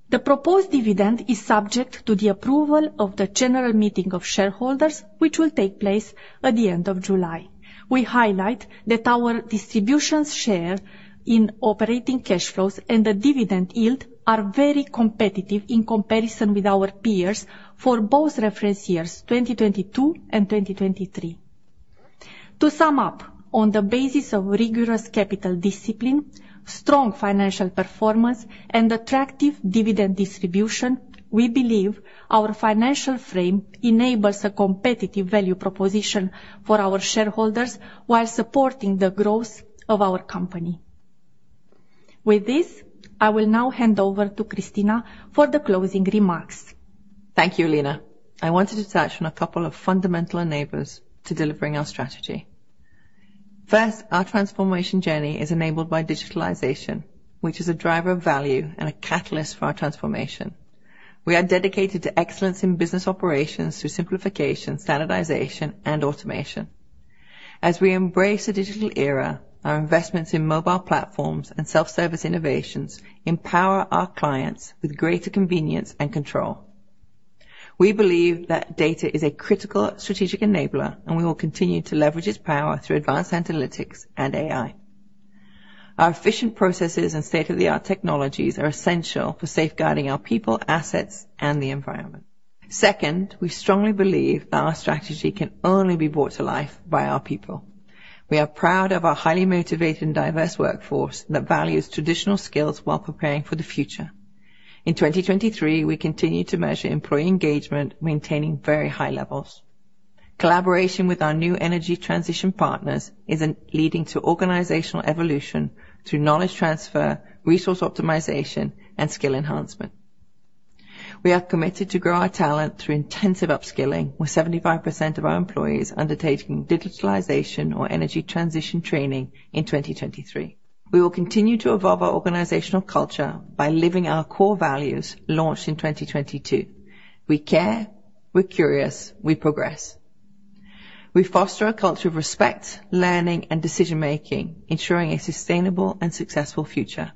The proposed dividend is subject to the approval of the General Meeting of Shareholders, which will take place at the end of July. We highlight that our distributions share in operating cash flows and the dividend yield are very competitive in comparison with our peers for both reference years, 2022 and 2023. To sum up, on the basis of rigorous capital discipline, strong financial performance, and attractive dividend distribution, we believe our financial frame enables a competitive value proposition for our shareholders, while supporting the growth of our company. With this, I will now hand over to Christina for the closing remarks. Thank you, Alina. I wanted to touch on a couple of fundamental enablers to delivering our strategy. First, our transformation journey is enabled by digitalization, which is a driver of value and a catalyst for our transformation. We are dedicated to excellence in business operations through simplification, standardization, and automation. As we embrace the digital era, our investments in mobile platforms and self-service innovations empower our clients with greater convenience and control. We believe that data is a critical strategic enabler, and we will continue to leverage its power through advanced analytics and AI. Our efficient processes and state-of-the-art technologies are essential for safeguarding our people, assets, and the environment. Second, we strongly believe that our strategy can only be brought to life by our people. We are proud of our highly motivated and diverse workforce that values traditional skills while preparing for the future. In 2023, we continued to measure employee engagement, maintaining very high levels. Collaboration with our new energy transition partners is increasingly leading to organizational evolution through knowledge transfer, resource optimization, and skill enhancement. We are committed to grow our talent through intensive upskilling, with 75% of our employees undertaking digitalization or energy transition training in 2023. We will continue to evolve our organizational culture by living our core values, launched in 2022. We care, we're curious, we progress. We foster a culture of respect, learning, and decision-making, ensuring a sustainable and successful future.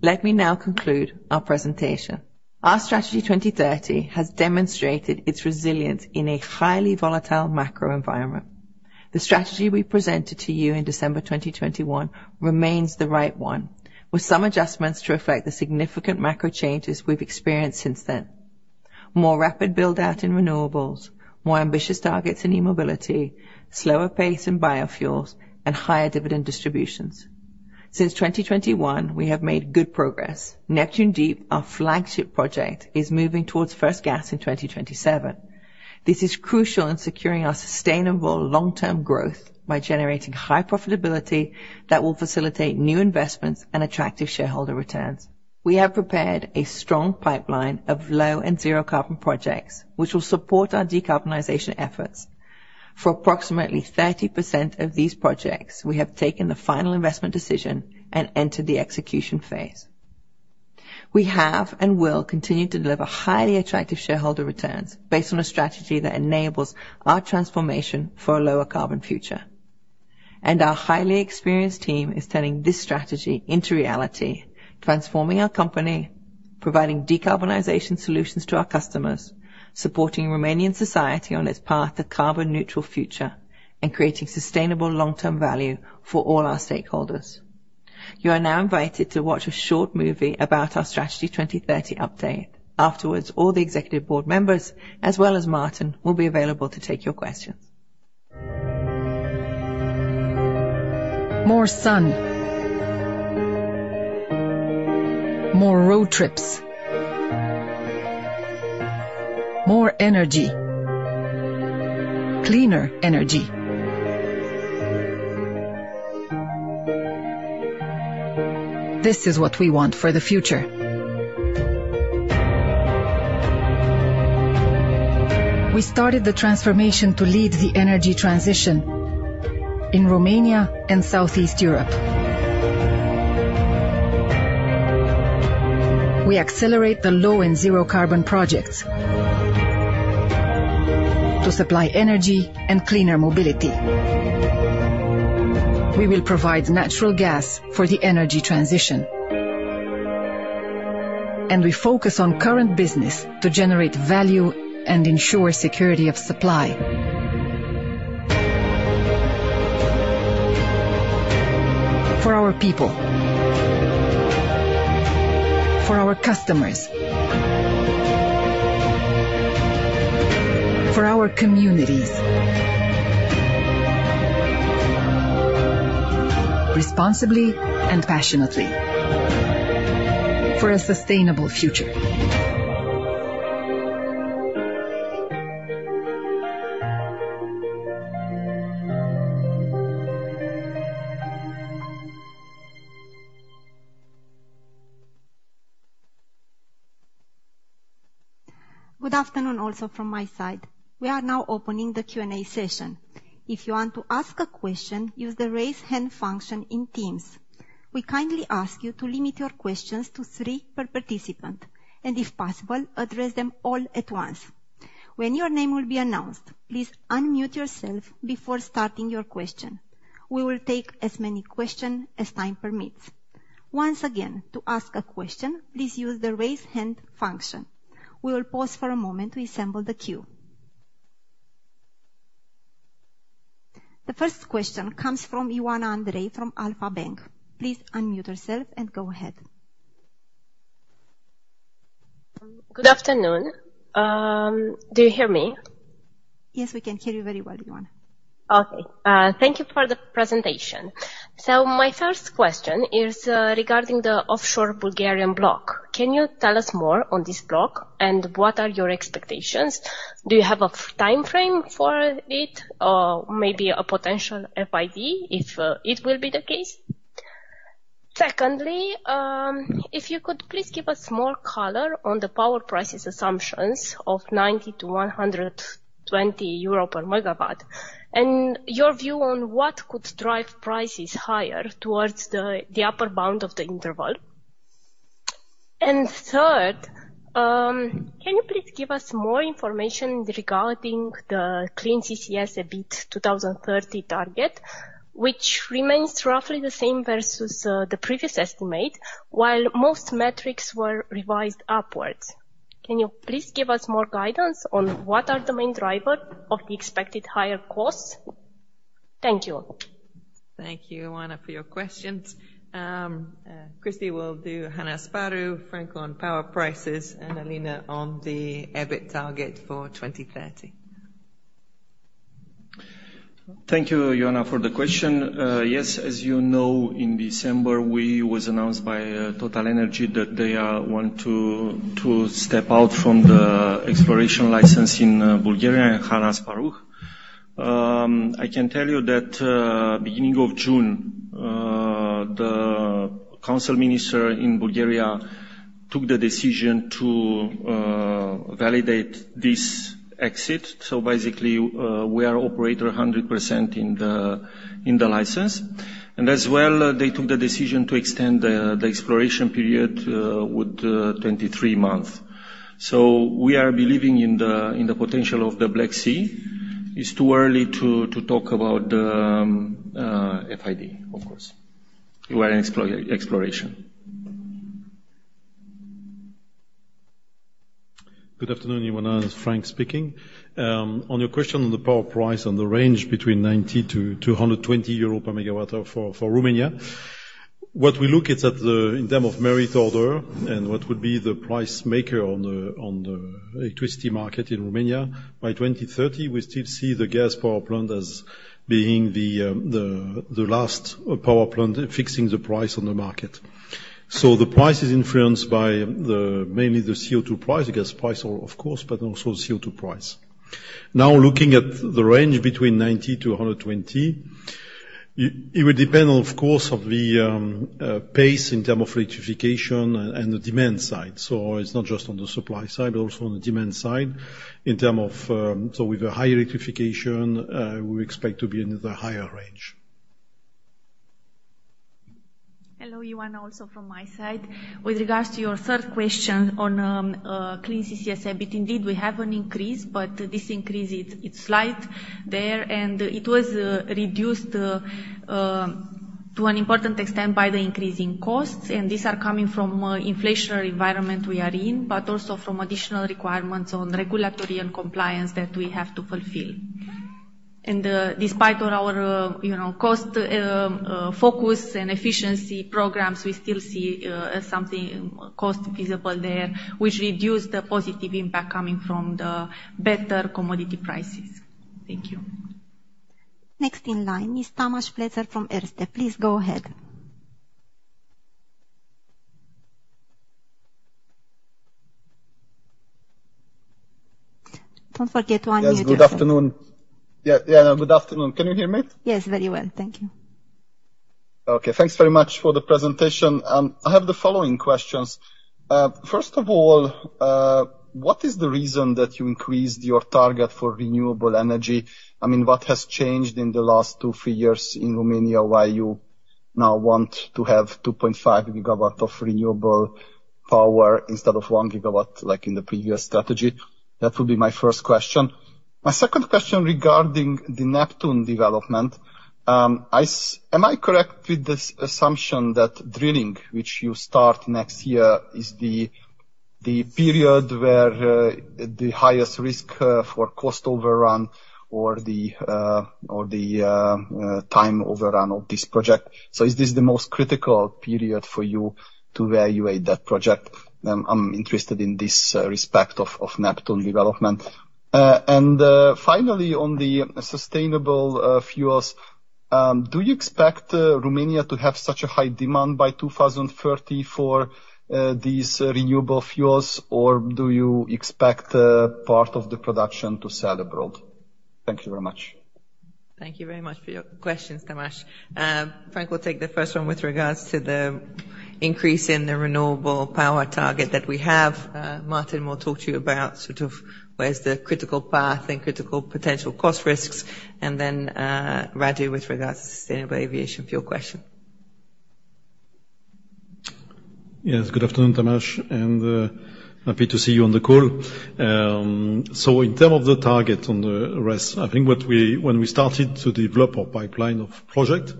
Let me now conclude our presentation. Our Strategy 2030 has demonstrated its resilience in a highly volatile macro environment. The strategy we presented to you in December 2021 remains the right one, with some adjustments to reflect the significant macro changes we've experienced since then. More rapid build-out in renewables, more ambitious targets in e-mobility, slower pace in biofuels, and higher dividend distributions. Since 2021, we have made good progress. Neptun Deep, our flagship project, is moving towards first gas in 2027. This is crucial in securing our sustainable long-term growth by generating high profitability that will facilitate new investments and attractive shareholder returns. We have prepared a strong pipeline of low and zero-carbon projects, which will support our decarbonization efforts. For approximately 30% of these projects, we have taken the final investment decision and entered the execution phase. We have and will continue to deliver highly attractive shareholder returns based on a strategy that enables our transformation for a lower carbon future. Our highly experienced team is turning this strategy into reality, transforming our company, providing decarbonization solutions to our customers, supporting Romanian society on its path to carbon-neutral future, and creating sustainable long-term value for all our stakeholders. You are now invited to watch a short movie about our Strategy 2030 update. Afterwards, all the executive board members, as well as Martin, will be available to take your questions. More sun. More road trips. More energy. Cleaner energy. This is what we want for the future. We started the transformation to lead the energy transition in Romania and Southeast Europe. We accelerate the low and zero-carbon projects to supply energy and cleaner mobility. We will provide natural gas for the energy transition, and we focus on current business to generate value and ensure security of supply. For our people, for our customers, for our communities, responsibly and passionately, for a sustainable future. Good afternoon, also from my side. We are now opening the Q&A session. If you want to ask a question, use the Raise Hand function in Teams. We kindly ask you to limit your questions to three per participant, and if possible, address them all at once.... When your name will be announced, please unmute yourself before starting your question. We will take as many questions as time permits. Once again, to ask a question, please use the Raise Hand function. We will pause for a moment to assemble the queue. The first question comes from Ioana Andrei from Alpha Bank. Please unmute yourself and go ahead. Good afternoon. Do you hear me? Yes, we can hear you very well, Ioana. Okay. Thank you for the presentation. So my first question is regarding the offshore Bulgarian block. Can you tell us more on this block, and what are your expectations? Do you have a timeframe for it, or maybe a potential FID, if it will be the case? Secondly, if you could please give us more color on the power prices assumptions of 90 to 120 per megawatt, and your view on what could drive prices higher towards the upper bound of the interval. And third, can you please give us more information regarding the Clean CCS EBIT 2030 target, which remains roughly the same versus the previous estimate, while most metrics were revised upwards. Can you please give us more guidance on what are the main driver of the expected higher costs? Thank you. Thank you, Ioana, for your questions. Cristi will do Han Asparuh, Franck on power prices, and Alina on the EBIT target for 2030. Thank you, Ioana, for the question. Yes, as you know, in December, we was announced by Total Energy that they want to step out from the exploration license in Bulgaria, in Han Asparuh. I can tell you that, beginning of June, the council minister in Bulgaria took the decision to validate this exit. So basically, we are operator 100% in the license. And as well, they took the decision to extend the exploration period with 23 months. So we are believing in the potential of the Black Sea. It's too early to talk about the FID, of course, we are in exploration. Good afternoon, Ioana, it's Franck speaking. On your question on the power price and the range between 90 to 220 euro per megawatt hour for Romania, what we look is at the, in term of merit order and what would be the price maker on the, on the electricity market in Romania. By 2030, we still see the gas power plant as being the, the last power plant in fixing the price on the market. So the price is influenced by the mainly the CO2 price, I guess, price of course, but also CO2 price. Now, looking at the range between 90 to 120, it would depend, of course, of the, pace in term of electrification and, and the demand side. So it's not just on the supply side, but also on the demand side, in terms of. So with a high electrification, we expect to be in the higher range. Hello, Ioana, also from my side. With regards to your third question on clean CCS, a bit indeed, we have an increase, but this increase, it's slight there, and it was reduced to an important extent by the increasing costs, and these are coming from inflationary environment we are in, but also from additional requirements on regulatory and compliance that we have to fulfill. And, despite all our, you know, cost focus and efficiency programs, we still see something cost visible there, which reduced the positive impact coming from the better commodity prices. Thank you. Next in line is Tamas Pletser from Erste. Please go ahead. Don't forget to unmute yourself. Yes, good afternoon. Yeah, yeah, good afternoon. Can you hear me? Yes, very well. Thank you. Okay, thanks very much for the presentation. I have the following questions. First of all, what is the reason that you increased your target for renewable energy? I mean, what has changed in the last 2 to 3 years in Romania, why you now want to have 2.5 gigawatts of renewable power instead of 1 gigawatt, like in the previous strategy? That would be my first question. My second question regarding the Neptun development, am I correct with this assumption that drilling, which you start next year, is the period where the highest risk for cost overrun or the time overrun of this project? So is this the most critical period for you to evaluate that project? I'm interested in this respect of Neptun development. And finally, on the sustainable fuels, do you expect Romania to have such a high demand by 2030 for these renewable fuels, or do you expect a part of the production to sell abroad? Thank you very much. Thank you very much for your questions, Tamas. Franck will take the first one with regards to the increase in the renewable power target that we have. Martin will talk to you about sort of where's the critical path and critical potential cost risks, and then, Radu, with regards to sustainable aviation fuel question.... Yes, good afternoon, Tamas, and happy to see you on the call. So in terms of the target on the rest, I think what we—when we started to develop our pipeline of project,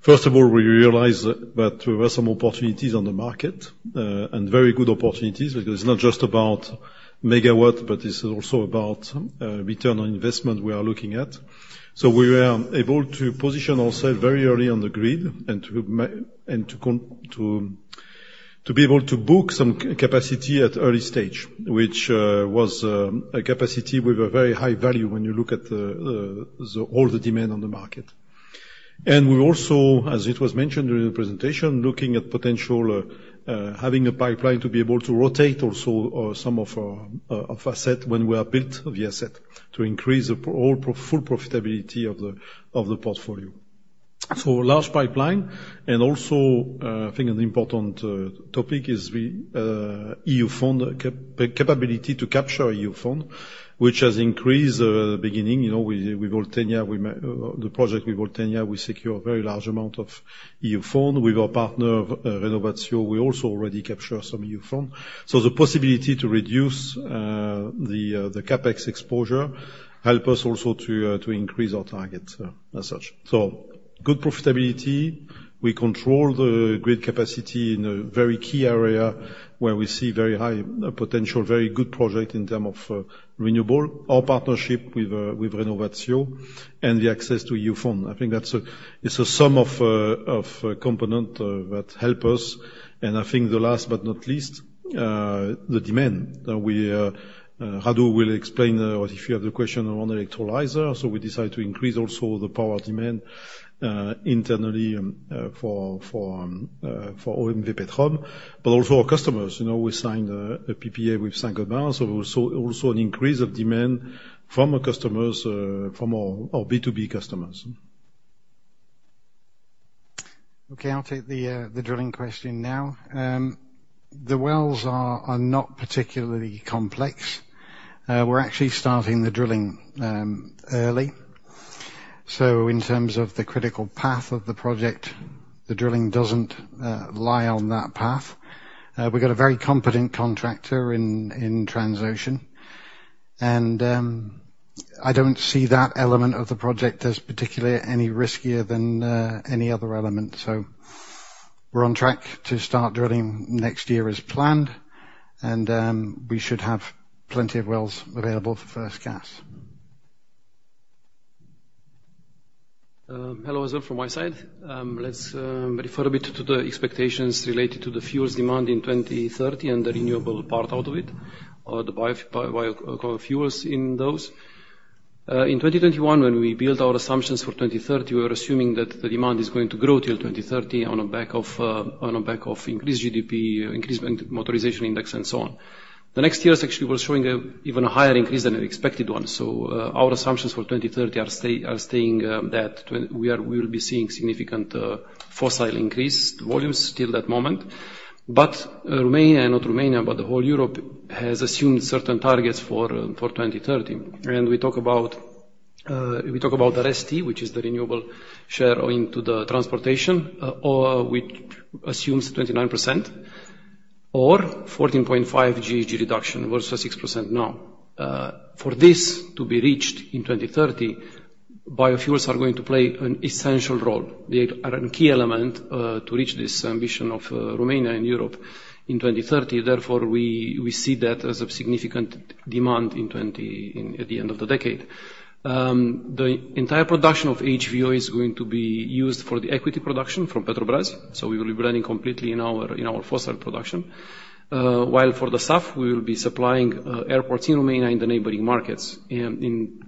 first of all, we realized that there were some opportunities on the market, and very good opportunities, because it's not just about megawatt, but it's also about return on investment we are looking at. So we were able to position ourselves very early on the grid, and to be able to book some capacity at early stage, which was a capacity with a very high value when you look at the all the demand on the market. And we also, as it was mentioned during the presentation, looking at potential having a pipeline to be able to rotate also some of our assets when we are built the asset, to increase the overall profitability of the portfolio. So large pipeline, and also, I think an important topic is our EU funds capability to capture EU funds, which has increased from the beginning. You know, with Oltenia, the project with Oltenia, we secure a very large amount of EU funds. With our partner Renovatio, we also already capture some EU funds. So the possibility to reduce the CapEx exposure help us also to increase our target as such. So good profitability. We control the grid capacity in a very key area where we see very high potential, very good project in terms of renewable. Our partnership with Renovatio, and the access to EU fund. I think that's a, it's a sum of components that help us. And I think the last but not least, the demand. Radu will explain if you have the question on electrolyzer. So we decide to increase also the power demand internally for OMV Petrom, but also our customers. You know, we signed a PPA with Saint-Gobain, so also an increase of demand from our customers from our B2B customers. Okay, I'll take the drilling question now. The wells are not particularly complex. We're actually starting the drilling early. So in terms of the critical path of the project, the drilling doesn't lie on that path. We've got a very competent contractor in Transocean, and I don't see that element of the project as particularly any riskier than any other element. So we're on track to start drilling next year as planned, and we should have plenty of wells available for first gas. Hello as well from my side. Let's refer a bit to the expectations related to the fuels demand in 2030 and the renewable part out of it, or the biofuels in those. In 2021, when we built our assumptions for 2030, we were assuming that the demand is going to grow till 2030 on a back of, on a back of increased GDP, increased motorization index, and so on. The next years, actually, we're showing a even a higher increase than an expected one. So, our assumptions for 2030 are stay, are staying, that tw- we are, we will be seeing significant, fossil increased volumes till that moment. But, Romania, not Romania, but the whole Europe, has assumed certain targets for, for 2030. We talk about, we talk about the REST, which is the renewable share into the transportation, or which assumes 29% or 14.5 GHG reduction versus 6% now. For this to be reached in 2030, biofuels are going to play an essential role. They are a key element, to reach this ambition of Romania and Europe in 2030. Therefore, we, we see that as a significant demand in 20... in, at the end of the decade. The entire production of HVO is going to be used for the equity production from Petrobrazi, so we will be running completely in our, in our fossil production. While for the SAF, we will be supplying airports in Romania and the neighboring markets.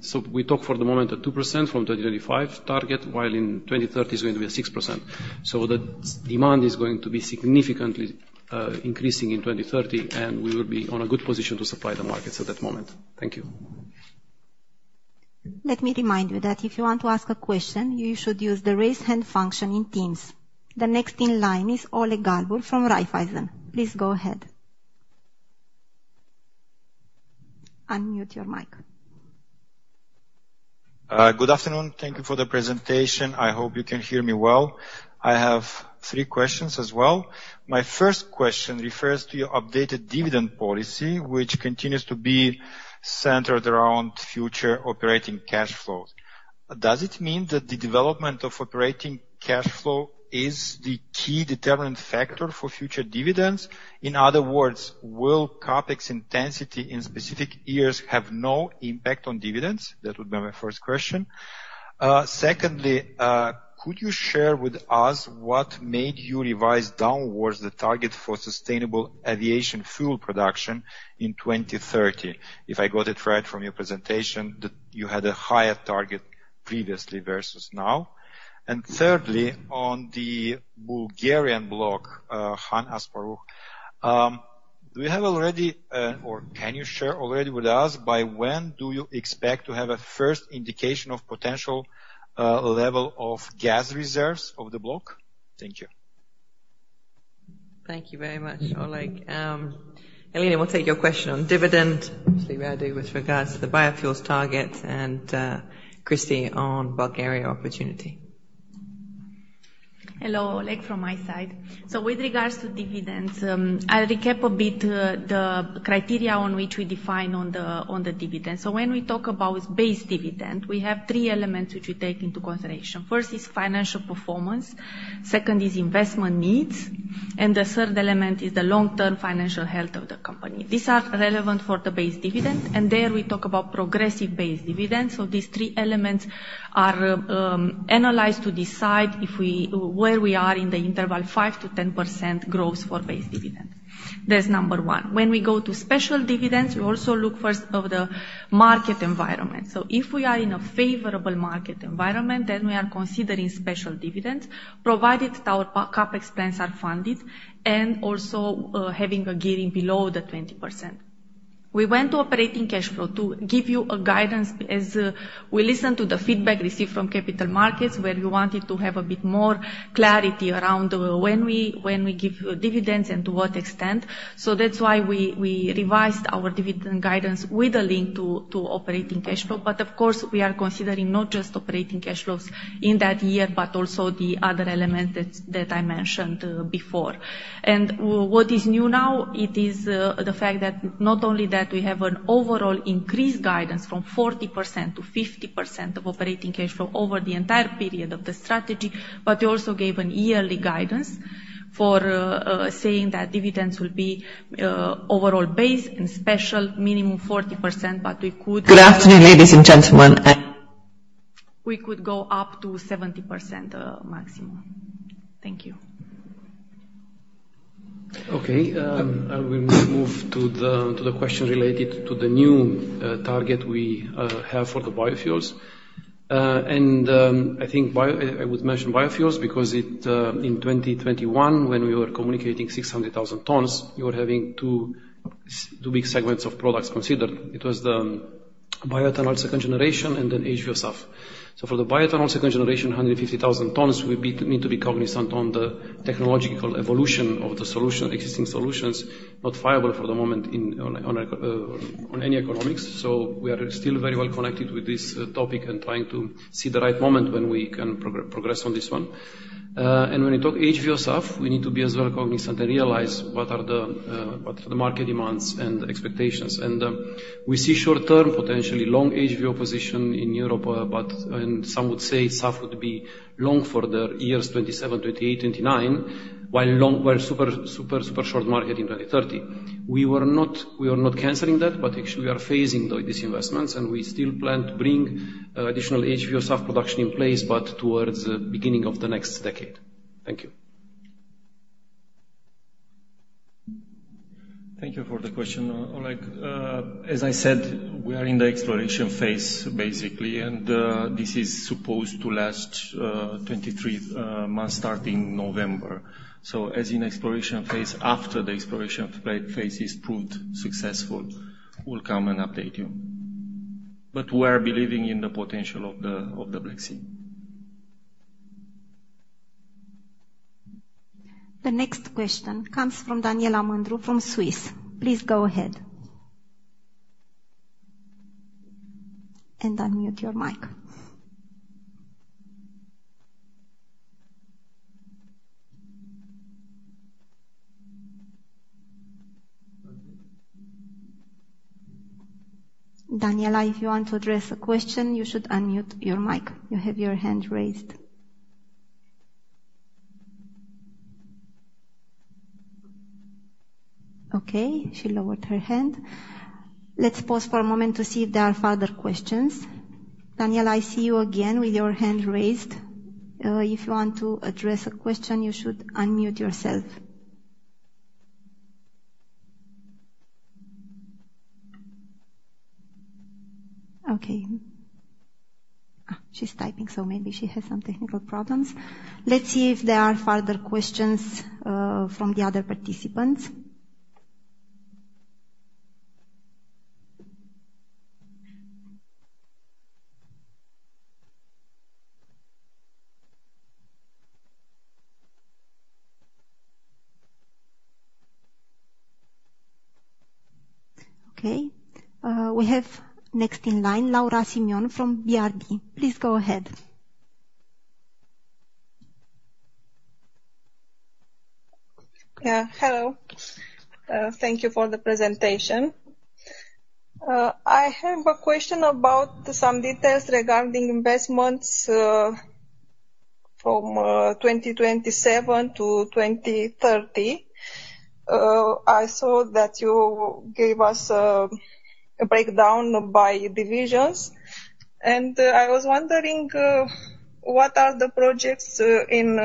So we talk for the moment at 2% from 2025 target, while in 2030 is going to be a 6%. So the demand is going to be significantly increasing in 2030, and we will be on a good position to supply the markets at that moment. Thank you. Let me remind you that if you want to ask a question, you should use the raise hand function in Teams. The next in line is Oleg Galbur from Raiffeisen. Please go ahead. Unmute your mic. Good afternoon. Thank you for the presentation. I hope you can hear me well. I have three questions as well. My first question refers to your updated dividend policy, which continues to be centered around future operating cash flows. Does it mean that the development of operating cash flow is the key determinant factor for future dividends? In other words, will CapEx intensity in specific years have no impact on dividends? That would be my first question. Secondly, could you share with us what made you revise downwards the target for sustainable aviation fuel production in 2030? If I got it right from your presentation, that you had a higher target previously versus now. Thirdly, on the Bulgarian block, Han Asparuh, do you have already, or can you share already with us by when do you expect to have a first indication of potential level of gas reserves of the block? Thank you. Thank you very much, Oleg. Alina, we'll take your question on dividend. Obviously, Radu, with regards to the biofuels targets, and, Cristi, on Bulgaria opportunity. ... Hello, Oleg, from my side. So with regards to dividends, I'll recap a bit, the criteria on which we define on the, on the dividend. So when we talk about base dividend, we have three elements which we take into consideration. First is financial performance, second is investment needs, and the third element is the long-term financial health of the company. These are relevant for the base dividend, and there we talk about progressive base dividends. So these three elements are analyzed to decide where we are in the interval, 5% to 10% growth for base dividend. That's number one. When we go to special dividends, we also look first of the market environment. So if we are in a favorable market environment, then we are considering special dividends, provided our CapEx plans are funded and also having a gearing below the 20%. We went to operating cash flow to give you a guidance, as we listened to the feedback received from capital markets, where we wanted to have a bit more clarity around when we give dividends and to what extent. So that's why we revised our dividend guidance with a link to operating cash flow. But of course, we are considering not just operating cash flows in that year, but also the other elements that I mentioned before. What is new now, it is the fact that not only that we have an overall increased guidance from 40% to 50% of operating cash flow over the entire period of the strategy, but we also gave a yearly guidance for saying that dividends will be overall base and special, minimum 40%, but we could- Good afternoon, ladies and gentlemen. We could go up to 70%, maximum. Thank you. Okay, I will move to the question related to the new target we have for the biofuels. I think I would mention biofuels because it, in 2021, when we were communicating 600,000 tons, you were having two big segments of products considered. It was the bioethanol second generation, and then HVO SAF. So for the bioethanol second generation, 150,000 tons, we need to be cognizant on the technological evolution of the solution, existing solutions, not viable for the moment on any economics. So we are still very well connected with this topic and trying to see the right moment when we can progress on this one. And when we talk HVO SAF, we need to be as well cognizant and realize what are the market demands and expectations. We see short term, potentially long HVO position in Europe, but... and some would say SAF would be long for the years 2027, 2028, 2029, while long, while super, super, super short market in 2030. We were not- we are not canceling that, but actually we are phasing these investments, and we still plan to bring additional HVO SAF production in place, but towards the beginning of the next decade. Thank you. Thank you for the question, Oleg. As I said, we are in the exploration phase, basically, and this is supposed to last 23 months, starting November. So as in exploration phase, after the exploration phase is proved successful, we'll come and update you. But we are believing in the potential of the Black Sea. The next question comes from Daniela Mandru, from Swiss. Please go ahead. Unmute your mic. Daniela, if you want to address a question, you should unmute your mic. You have your hand raised. Okay, she lowered her hand. Let's pause for a moment to see if there are further questions. Daniela, I see you again with your hand raised. If you want to address a question, you should unmute yourself. Okay. She's typing, so maybe she has some technical problems. Let's see if there are further questions from the other participants. Okay, we have next in line, Laura Simion from BRD. Please go ahead. Yeah, hello. Thank you for the presentation. I have a question about some details regarding investments from 2027 to 2030. I saw that you gave us a breakdown by divisions, and I was wondering what are the projects in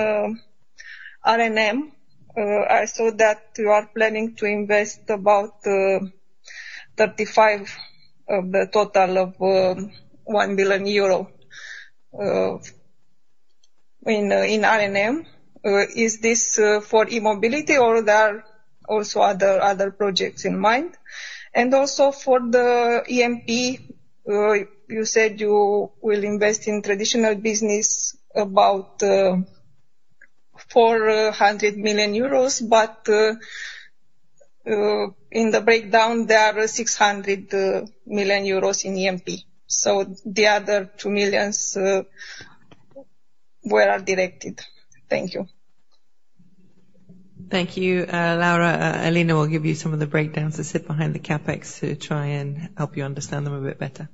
R&M? I saw that you are planning to invest about 35 of the total of 1 billion euro in R&M. Is this for e-mobility or there are also other projects in mind? And also for the E&P, you said you will invest in traditional business about 400 million euros, but in the breakdown, there are 600 million euros in E&P. So the other 200 million where are directed? Thank you. Thank you, Laura. Alina will give you some of the breakdowns that sit behind the CapEx to try and help you understand them a bit better.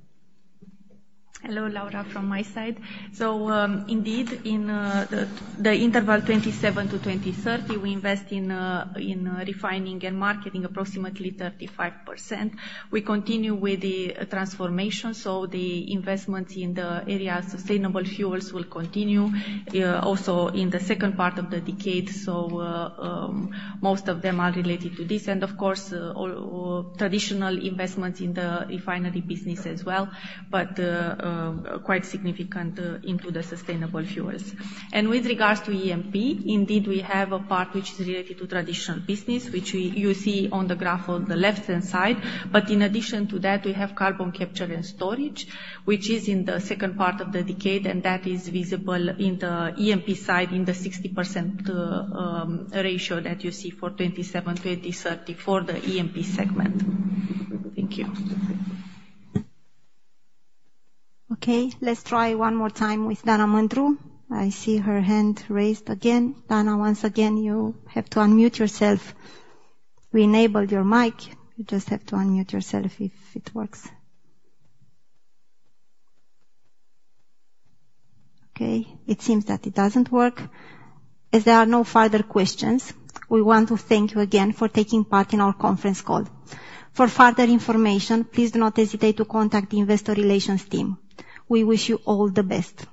Hello, Laura, from my side. So, indeed, in the interval 2027 to 2030, we invest in refining and marketing approximately 35%. We continue with the transformation, so the investments in the area of sustainable fuels will continue also in the second part of the decade. So, most of them are related to this, and of course, all traditional investments in the refinery business as well, but quite significant into the sustainable fuels. And with regards to E&P, indeed, we have a part which is related to traditional business, which you see on the graph on the left-hand side. But in addition to that, we have carbon capture and storage, which is in the second part of the decade, and that is visible in the E&P side, in the 60% ratio that you see for 2027, 2030 for the E&P segment. Thank you. Okay, let's try one more time with Daniela Mandru. I see her hand raised again. Dana, once again, you have to unmute yourself. We enabled your mic. You just have to unmute yourself if it works. Okay, it seems that it doesn't work. As there are no further questions, we want to thank you again for taking part in our conference call. For further information, please do not hesitate to contact the investor relations team. We wish you all the best.